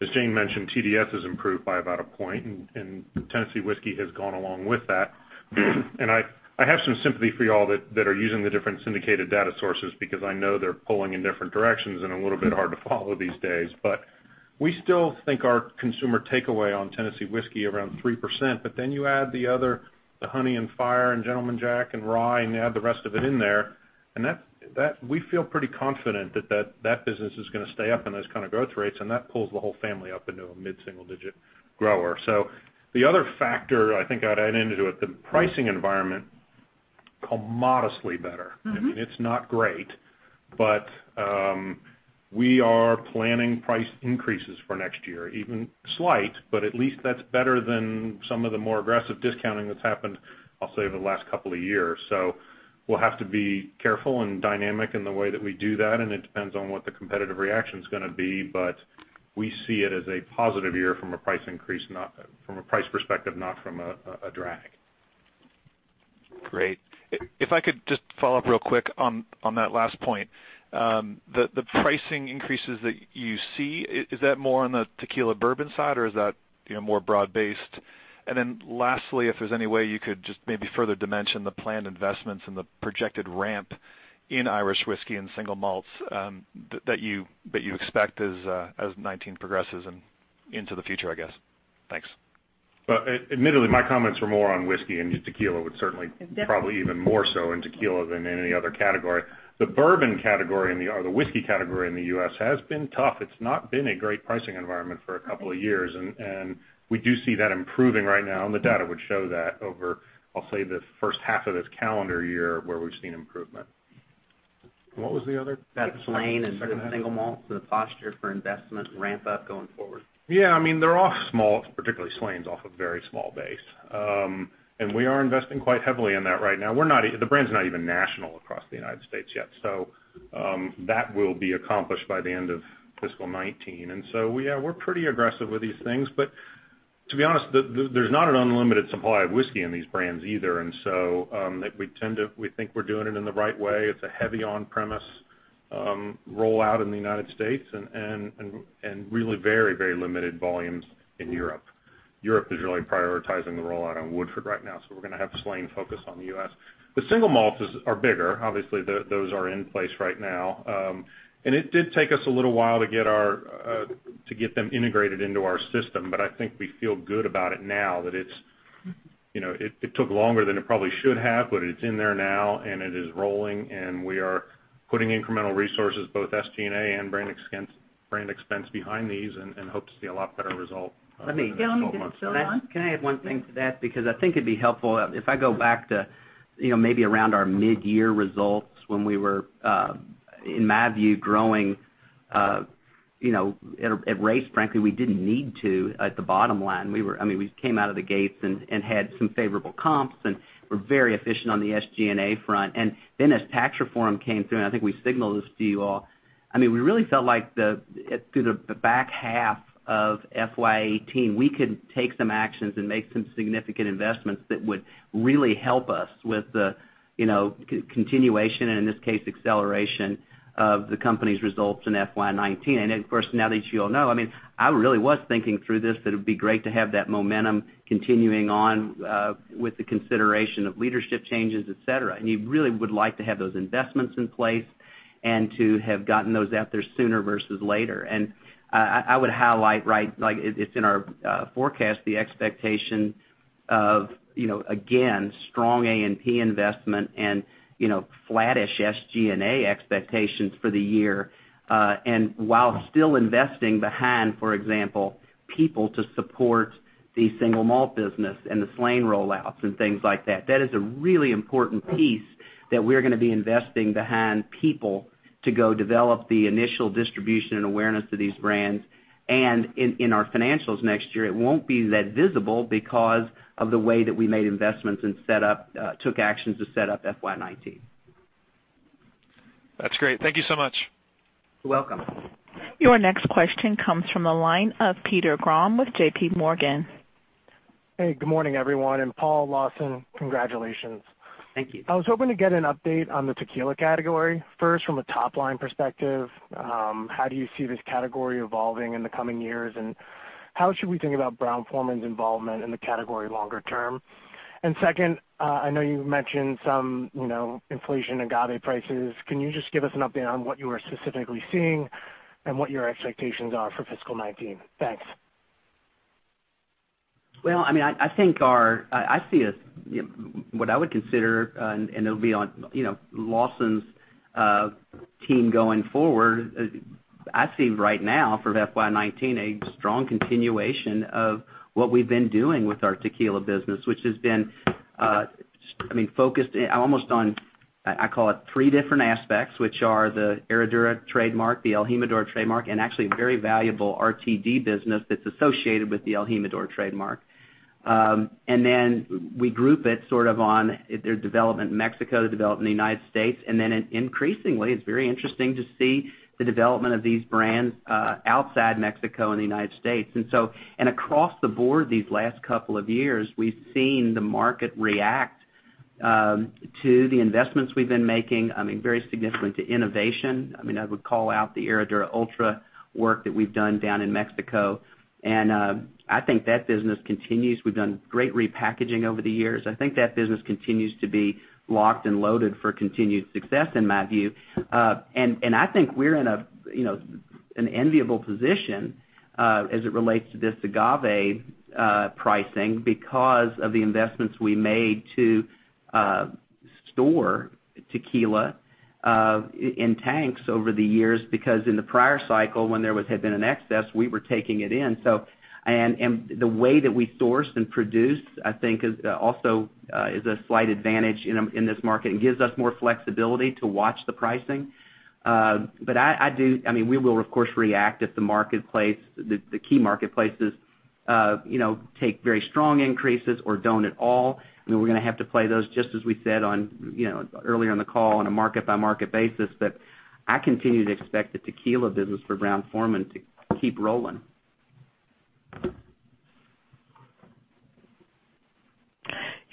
As Jane mentioned, TDS has improved by about 1 point, and Tennessee Whiskey has gone along with that. I have some sympathy for y'all that are using the different syndicated data sources, because I know they're pulling in different directions and a little bit hard to follow these days. We still think our consumer takeaway on Tennessee Whiskey around 3%, then you add the other, the Honey & Fire and Gentleman Jack and rye, and you add the rest of it in there, and we feel pretty confident that business is going to stay up in those kind of growth rates, and that pulls the whole family up into a mid-single-digit grower. The other factor I think I'd add into it, the pricing environment, modestly better. I mean, it's not great, but we are planning price increases for next year. Even slight, but at least that's better than some of the more aggressive discounting that's happened, I'll say, over the last couple of years. We'll have to be careful and dynamic in the way that we do that, and it depends on what the competitive reaction's going to be. We see it as a positive year from a price perspective, not from a drag. Great. If I could just follow up real quick on that last point. The pricing increases that you see, is that more on the tequila/bourbon side, or is that more broad based? Lastly, if there's any way you could just maybe further dimension the planned investments and the projected ramp in Irish whiskey and single malts that you expect as 2019 progresses and into the future, I guess. Thanks. Well, admittedly, my comments were more on whiskey, and tequila would certainly- Definitely probably even more so in tequila than any other category. The whiskey category in the U.S. has been tough. It's not been a great pricing environment for a couple of years, and we do see that improving right now, and the data would show that over, I'll say, the first half of this calendar year, where we've seen improvement. What was the other? That Slane and single malt, the posture for investment and ramp up going forward. Yeah. I mean, they're off small, particularly Slane's off a very small base. We are investing quite heavily in that right now. The brand's not even national across the U.S. yet. That will be accomplished by the end of fiscal 2019. We're pretty aggressive with these things. To be honest, there's not an unlimited supply of whiskey in these brands either. We think we're doing it in the right way. It's a heavy on-premise rollout in the U.S. and really very limited volumes in Europe. Europe is really prioritizing the rollout on Woodford right now, so we're going to have Slane focused on the U.S. The single malts are bigger. Obviously, those are in place right now. It did take us a little while to get them integrated into our system, but I think we feel good about it now. It took longer than it probably should have, but it's in there now, and it is rolling, and we are putting incremental resources, both SG&A and brand expense behind these, and hope to see a lot better result in the next 12 months. Let me Jane, you get the second one? I think it'd be helpful. If I go back to maybe around our mid-year results when we were, in my view, growing at rate, frankly, we didn't need to at the bottom line. We came out of the gates and had some favorable comps and were very efficient on the SG&A front. As tax reform came through, I think we signaled this to you all, we really felt like through the back half of FY 2018, we could take some actions and make some significant investments that would really help us with the continuation, and in this case, acceleration, of the company's results in FY 2019. Of course, now that you all know, I really was thinking through this, that it'd be great to have that momentum continuing on with the consideration of leadership changes, et cetera. You really would like to have those investments in place and to have gotten those out there sooner versus later. I would highlight, it's in our forecast, the expectation of, again, strong A&P investment and flattish SG&A expectations for the year. While still investing behind, for example, people to support the single malt business and the Slane rollouts and things like that. That is a really important piece, that we're going to be investing behind people to go develop the initial distribution and awareness of these brands. In our financials next year, it won't be that visible because of the way that we made investments and took actions to set up FY 2019. That's great. Thank you so much. You're welcome. Your next question comes from the line of Peter Grom with JPMorgan. Hey. Good morning, everyone, and Paul, Lawson, congratulations. Thank you. I was hoping to get an update on the tequila category, first from a top-line perspective. How do you see this category evolving in the coming years, and how should we think about Brown-Forman's involvement in the category longer term? Second, I know you've mentioned some inflation in agave prices. Can you just give us an update on what you are specifically seeing and what your expectations are for fiscal 2019? Thanks. I see what I would consider, it'll be on Lawson's team going forward. I see right now for FY 2019, a strong continuation of what we've been doing with our tequila business, which has been I mean, focused almost on, I call it three different aspects, which are the Herradura trademark, the el Jimador trademark, and actually a very valuable RTD business that's associated with the el Jimador trademark. Then we group it sort of on their development in Mexico, the development in the U.S., and then increasingly, it's very interesting to see the development of these brands outside Mexico and the U.S. Across the board these last couple of years, we've seen the market react to the investments we've been making, very significant to innovation. I would call out the Herradura Ultra work that we've done down in Mexico, and I think that business continues. We've done great repackaging over the years. I think that business continues to be locked and loaded for continued success, in my view. I think we're in an enviable position as it relates to this agave pricing because of the investments we made to store tequila in tanks over the years, because in the prior cycle, when there had been an excess, we were taking it in. The way that we sourced and produced, I think, also is a slight advantage in this market and gives us more flexibility to watch the pricing. We will, of course, react if the key marketplaces take very strong increases or don't at all. We're going to have to play those, just as we said earlier on the call, on a market-by-market basis. I continue to expect the tequila business for Brown-Forman to keep rolling.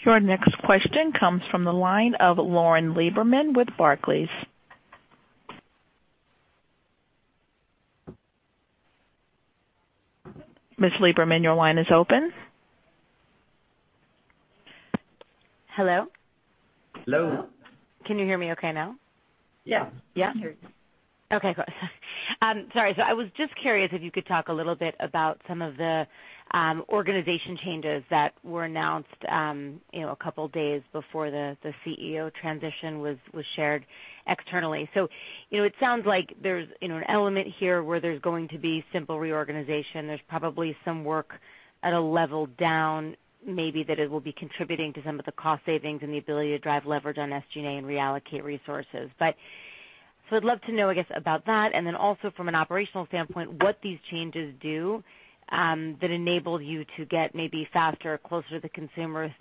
Your next question comes from the line of Lauren Lieberman with Barclays. Ms. Lieberman, your line is open. Hello? Hello. Can you hear me okay now? Yes. Yeah? We hear you. Okay, good. Sorry, I was just curious if you could talk a little bit about some of the organization changes that were announced a couple days before the CEO transition was shared externally. It sounds like there's an element here where there's going to be simple reorganization. There's probably some work at a level down, maybe, that it will be contributing to some of the cost savings and the ability to drive leverage on SG&A and reallocate resources. I'd love to know, I guess, about that, and then also from an operational standpoint, what these changes do that enable you to get maybe faster, closer to the consumer,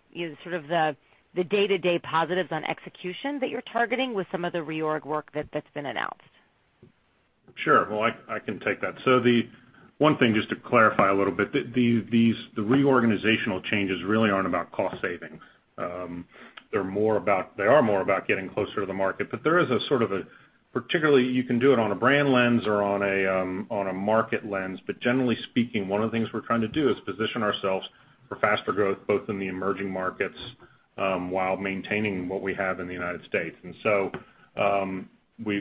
sort of the day-to-day positives on execution that you're targeting with some of the reorg work that's been announced. Sure. Well, I can take that. The one thing, just to clarify a little bit, the reorganizational changes really aren't about cost savings. They are more about getting closer to the market. There is a sort of a, particularly you can do it on a brand lens or on a market lens. Generally speaking, one of the things we're trying to do is position ourselves for faster growth, both in the emerging markets, while maintaining what we have in the U.S.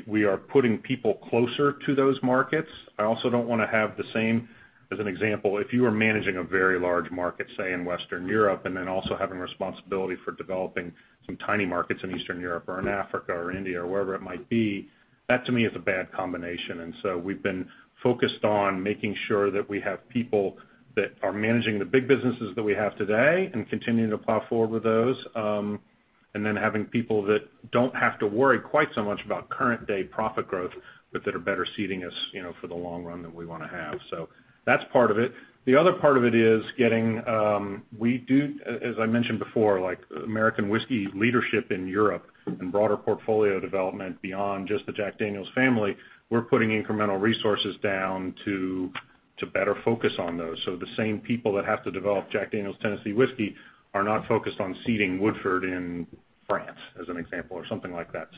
We are putting people closer to those markets. I also don't want to have the same, as an example, if you are managing a very large market, say, in Western Europe, and then also having responsibility for developing some tiny markets in Eastern Europe or in Africa or India or wherever it might be, that to me is a bad combination. We've been focused on making sure that we have people that are managing the big businesses that we have today and continuing to plow forward with those, and then having people that don't have to worry quite so much about current day profit growth, but that are better seeding us for the long run that we want to have. That's part of it. The other part of it is getting, as I mentioned before, like American Whiskey leadership in Europe and broader portfolio development beyond just the Jack Daniel's family, we're putting incremental resources down to better focus on those. The same people that have to develop Jack Daniel's Tennessee Whiskey are not focused on seeding Woodford in France, as an example, or something like that.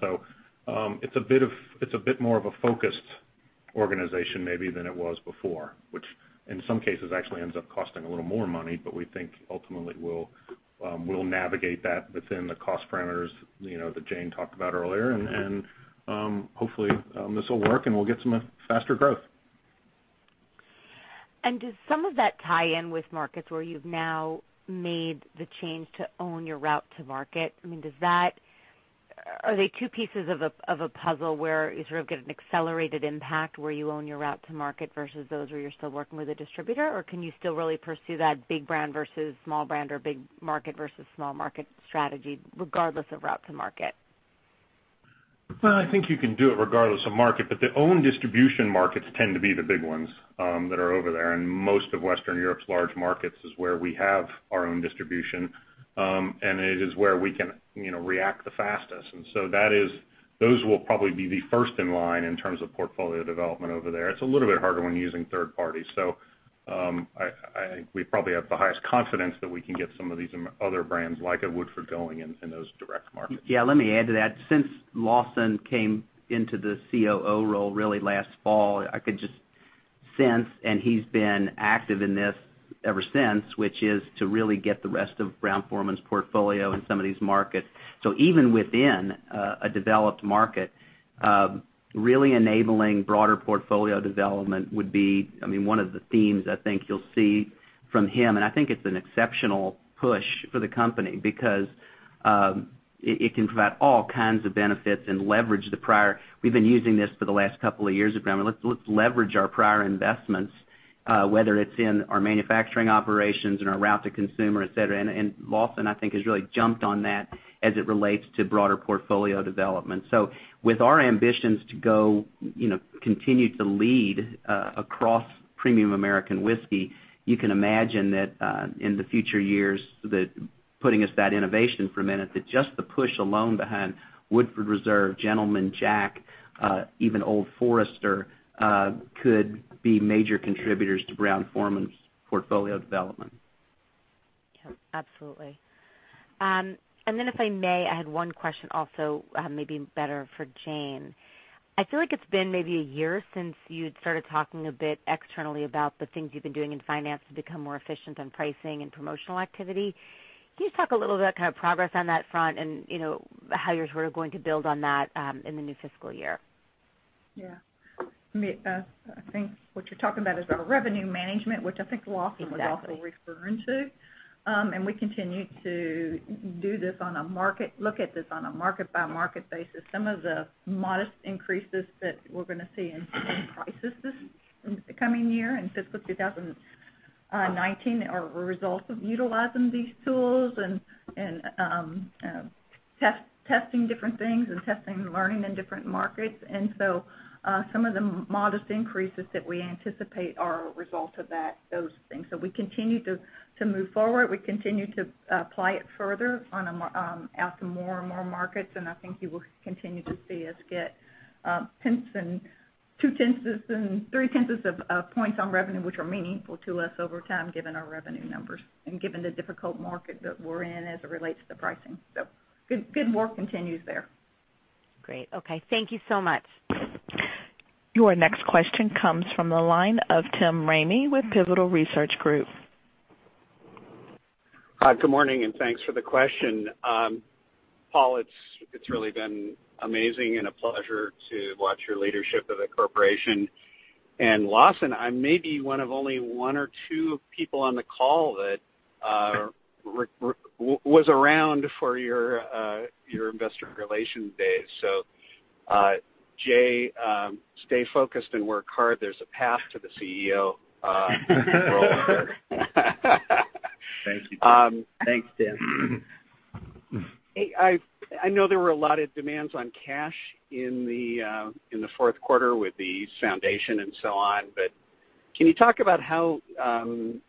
It's a bit more of a focused organization maybe than it was before. Which in some cases actually ends up costing a little more money, but we think ultimately we'll navigate that within the cost parameters that Jane talked about earlier. Hopefully, this will work, and we'll get some faster growth. Does some of that tie in with markets where you've now made the change to own your route to market? Are they two pieces of a puzzle where you sort of get an accelerated impact where you own your route to market versus those where you're still working with a distributor? Can you still really pursue that big brand versus small brand or big market versus small market strategy regardless of route to market? I think you can do it regardless of market, The own distribution markets tend to be the big ones that are over there. Most of Western Europe's large markets is where we have our own distribution. It is where we can react the fastest. Those will probably be the first in line in terms of portfolio development over there. It's a little bit harder when using third parties. I think we probably have the highest confidence that we can get some of these other brands, like a Woodford going in those direct markets. Let me add to that. Since Lawson came into the COO role really last fall, I could just sense, and he's been active in this ever since, which is to really get the rest of Brown-Forman's portfolio in some of these markets. Even within a developed market, really enabling broader portfolio development would be one of the themes I think you'll see from him. I think it's an exceptional push for the company because it can provide all kinds of benefits. We've been using this for the last couple of years at Brown-Forman. Let's leverage our prior investments, whether it's in our manufacturing operations, in our route to consumer, et cetera. Lawson, I think, has really jumped on that as it relates to broader portfolio development. With our ambitions to continue to lead across premium American whiskey, you can imagine that in the future years, just the push alone behind Woodford Reserve, Gentleman Jack, even Old Forester, could be major contributors to Brown-Forman's portfolio development. Absolutely. If I may, I had one question also, maybe better for Jane. I feel like it's been maybe a year since you'd started talking a bit externally about the things you've been doing in finance to become more efficient on pricing and promotional activity. Can you talk a little bit about progress on that front and how you're sort of going to build on that in the new fiscal year? Yeah. I think what you're talking about is our revenue management, which I think Lawson Exactly was also referring to. We continue to look at this on a market-by-market basis. Some of the modest increases that we're going to see in pricing this coming year, in fiscal 2019, are a result of utilizing these tools and testing different things and testing and learning in different markets. Some of the modest increases that we anticipate are a result of those things. We continue to move forward. We continue to apply it further out to more and more markets, I think you will continue to see us get pence and two tenths and three tenths of points on revenue, which are meaningful to us over time, given our revenue numbers and given the difficult market that we're in as it relates to pricing. Good work continues there. Great. Okay. Thank you so much. Your next question comes from the line of Tim Ramey with Pivotal Research Group. Hi, good morning, and thanks for the question. Paul Varga, it's really been amazing and a pleasure to watch your leadership of the corporation. Lawson Whiting, I may be one of only one or two people on the call that was around for your investor relation days. Jay Koval, stay focused and work hard. There's a path to the CEO role there. Thanks, Tim Ramey. Hey, I know there were a lot of demands on cash in the fourth quarter with the Brown-Forman Foundation and so on, can you talk about how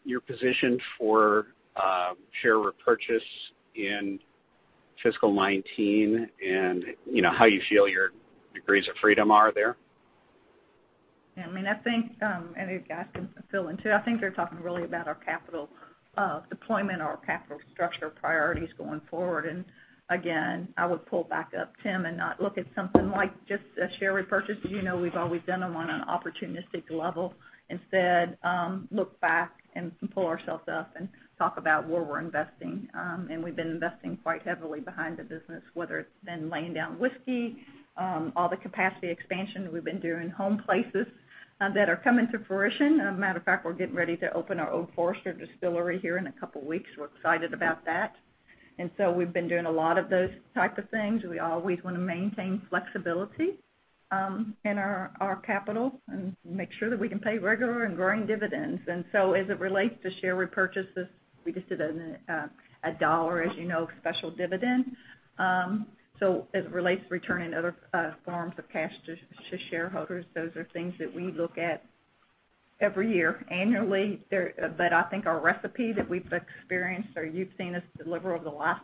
you're positioned for share repurchase in fiscal 2019 and how you feel your degrees of freedom are there? Yeah, the guys can fill in, too. I think you're talking really about our capital deployment or our capital structure priorities going forward. Again, I would pull back up, Tim Ramey, and not look at something like just a share repurchase. Instead, look back and pull ourselves up and talk about where we're investing. We've been investing quite heavily behind the business, whether it's been laying down whiskey, all the capacity expansion that we've been doing, home places that are coming to fruition. As a matter of fact, we're getting ready to open our Old Forester distillery here in a couple of weeks. We're excited about that. We've been doing a lot of those types of things. We always want to maintain flexibility in our capital and make sure that we can pay regular and growing dividends. As it relates to share repurchases, we just did a $1, as you know, special dividend. As it relates to returning other forms of cash to shareholders, those are things that we look at every year, annually, but I think our recipe that we've experienced, or you've seen us deliver over the last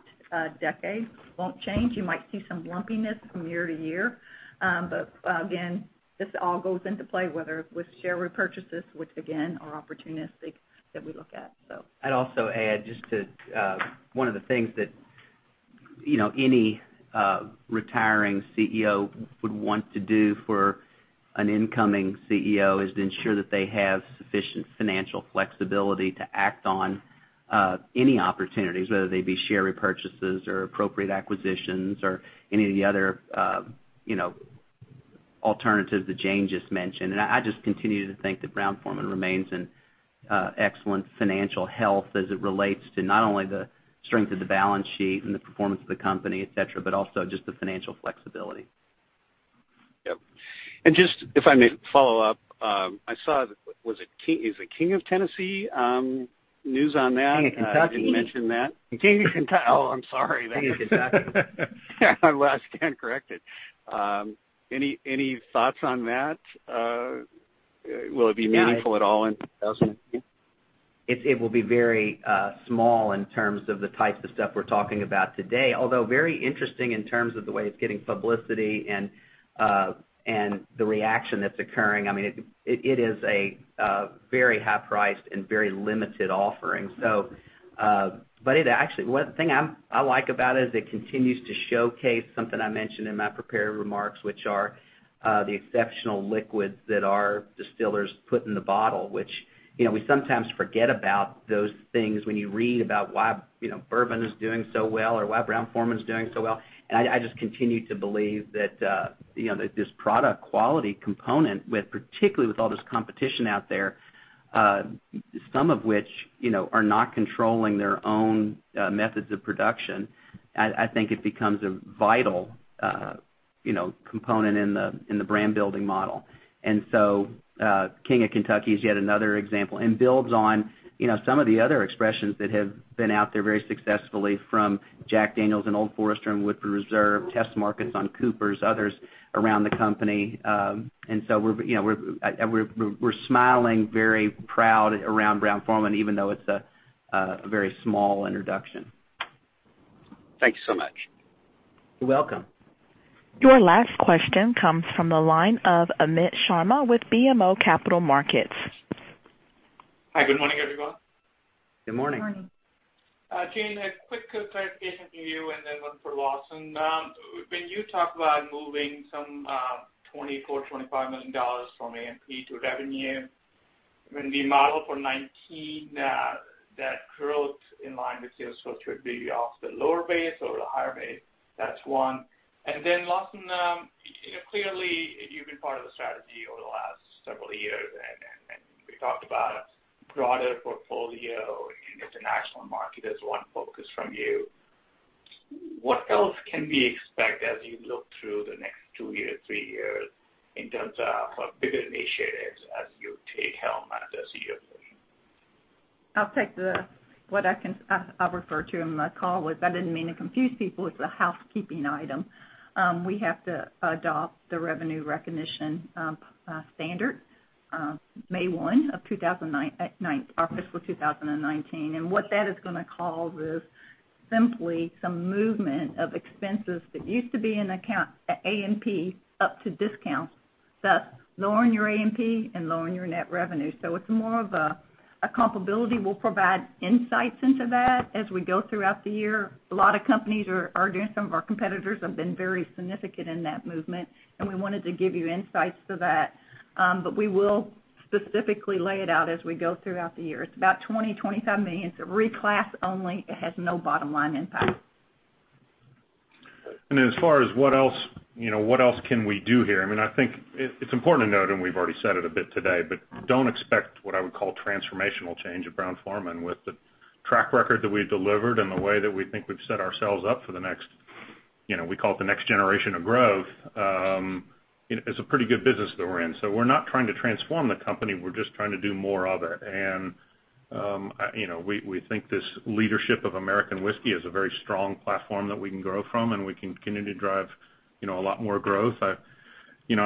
decade, won't change. You might see some lumpiness from year to year. Again, this all goes into play, whether with share repurchases, which again, are opportunistic that we look at. I'd also add, just to one of the things that any retiring CEO would want to do for an incoming CEO is to ensure that they have sufficient financial flexibility to act on any opportunities, whether they be share repurchases or appropriate acquisitions or any of the other alternatives that Jane just mentioned. I just continue to think that Brown-Forman remains in excellent financial health as it relates to not only the strength of the balance sheet and the performance of the company, et cetera, but also just the financial flexibility. Yep. Just, if I may follow up, I saw, is it King of Kentucky news on that? King of Kentucky. You mentioned that. The King of Kentucky. Oh, I'm sorry. King of Kentucky. I was corrected. Any thoughts on that? Will it be meaningful at all in? It will be very small in terms of the types of stuff we're talking about today, although very interesting in terms of the way it's getting publicity and the reaction that's occurring. It is a very high-priced and very limited offering. The thing I like about it is it continues to showcase something I mentioned in my prepared remarks, which are the exceptional liquids that our distillers put in the bottle, which we sometimes forget about those things when you read about why bourbon is doing so well or why Brown-Forman's doing so well. I just continue to believe that this product quality component, particularly with all this competition out there, some of which are not controlling their own methods of production, I think it becomes a vital component in the brand building model. King of Kentucky is yet another example and builds on some of the other expressions that have been out there very successfully from Jack Daniel's and Old Forester and Woodford Reserve, test markets on Coopers' Craft, others around the company. We're smiling very proud around Brown-Forman, even though it's a very small introduction. Thank you so much. You're welcome. Your last question comes from the line of Amit Sharma with BMO Capital Markets. Hi, good morning, everyone. Good morning. Good morning. Jane, a quick clarification for you, and then one for Lawson. When you talk about moving some $24 million, $25 million from A&P to revenue, when we model for 2019, that growth in line with sales force should be off the lower base or the higher base? That's one. Lawson, clearly, you've been part of the strategy over the last several years, and we talked about broader portfolio in international market as one focus from you. What else can we expect as you look through the next two years, three years in terms of bigger initiatives as you take helm as the CEO? I'll take the, what I'll refer to in my call was, I didn't mean to confuse people, it's a housekeeping item. We have to adopt the revenue recognition standard May 1 of 2018, April 2019. What that is going to cause is simply some movement of expenses that used to be in account at A&P up to discount, thus lowering your A&P and lowering your net revenue. It's more of a comparability. We'll provide insights into that as we go throughout the year. A lot of companies are doing, some of our competitors have been very significant in that movement, and we wanted to give you insights to that. We will specifically lay it out as we go throughout the year. It's about $20 million-$25 million. It's a reclass only. It has no bottom line impact. As far as what else can we do here? I think it's important to note, and we've already said it a bit today, but don't expect what I would call transformational change at Brown-Forman with the track record that we've delivered and the way that we think we've set ourselves up for the next, we call it the next generation of growth, it's a pretty good business that we're in. We're not trying to transform the company, we're just trying to do more of it. We think this leadership of American Whiskey is a very strong platform that we can grow from, and we can continue to drive a lot more growth. I'm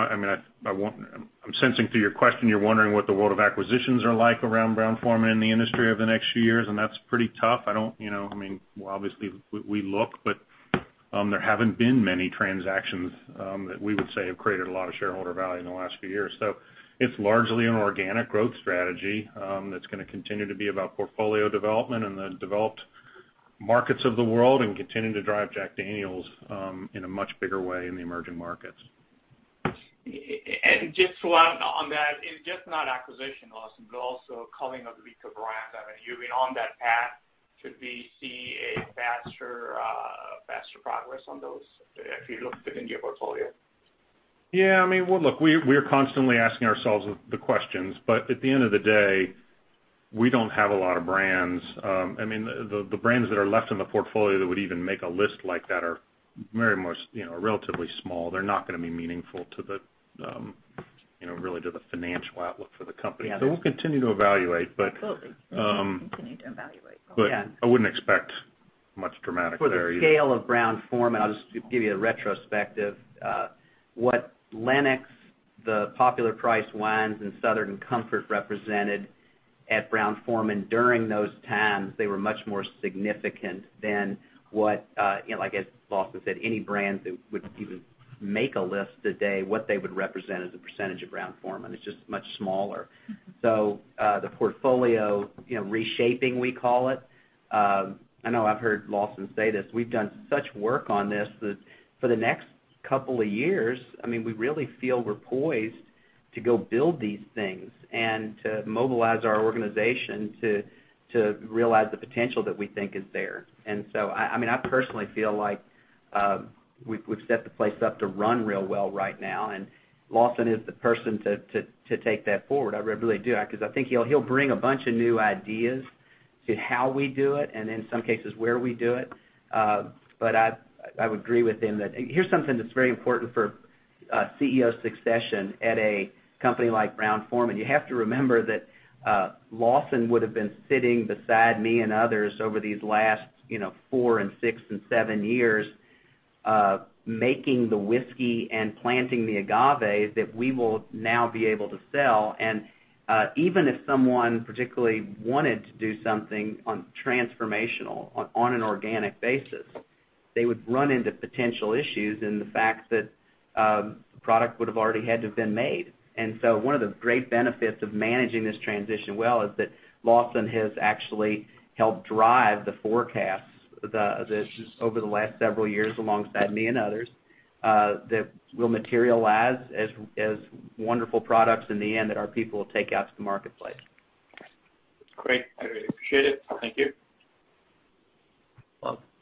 sensing through your question, you're wondering what the world of acquisitions are like around Brown-Forman in the industry over the next few years, and that's pretty tough. Obviously, we look, but there haven't been many transactions that we would say have created a lot of shareholder value in the last few years. It's largely an organic growth strategy that's going to continue to be about portfolio development in the developed markets of the world and continue to drive Jack Daniel's in a much bigger way in the emerging markets. Just to add on that, it's just not acquisition, Lawson, but also culling of the weaker brands. You've been on that path. Could we see a faster progress on those if you look within your portfolio? Yeah. Look, we are constantly asking ourselves the questions. At the end of the day, we don't have a lot of brands. The brands that are left in the portfolio that would even make a list like that are very much relatively small. They're not going to be meaningful really to the financial outlook for the company. Yeah. We'll continue to evaluate. Absolutely. We'll continue to evaluate. I wouldn't expect much dramatic there either. For the scale of Brown-Forman, I'll just give you a retrospective. What Lenox, the popular price wines in Southern Comfort represented at Brown-Forman during those times, they were much more significant than what, like as Lawson said, any brands that would even make a list today, what they would represent as a percentage of Brown-Forman. It's just much smaller. The portfolio reshaping, we call it, I know I've heard Lawson say this, we've done such work on this that for the next couple of years, we really feel we're poised to go build these things and to mobilize our organization to realize the potential that we think is there. I personally feel like we've set the place up to run real well right now, and Lawson is the person to take that forward. I really do because I think he'll bring a bunch of new ideas to how we do it and in some cases where we do it. I would agree with him that here's something that's very important for CEO succession at a company like Brown-Forman. You have to remember that Lawson would've been sitting beside me and others over these last four and six and seven years making the whiskey and planting the agave that we will now be able to sell. Even if someone particularly wanted to do something transformational on an organic basis, they would run into potential issues in the fact that the product would've already had to have been made. One of the great benefits of managing this transition well is that Lawson has actually helped drive the forecasts over the last several years alongside me and others that will materialize as wonderful products in the end that our people will take out to the marketplace. Great. I really appreciate it. Thank you.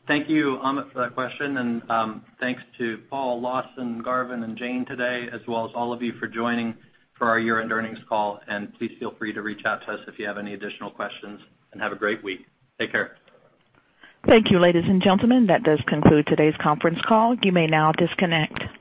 Well, thank you, Amit, for that question, and thanks to Paul, Lawson, Garvin, and Jane today, as well as all of you for joining for our year-end earnings call. Please feel free to reach out to us if you have any additional questions. Have a great week. Take care. Thank you, ladies and gentlemen. That does conclude today's conference call. You may now disconnect.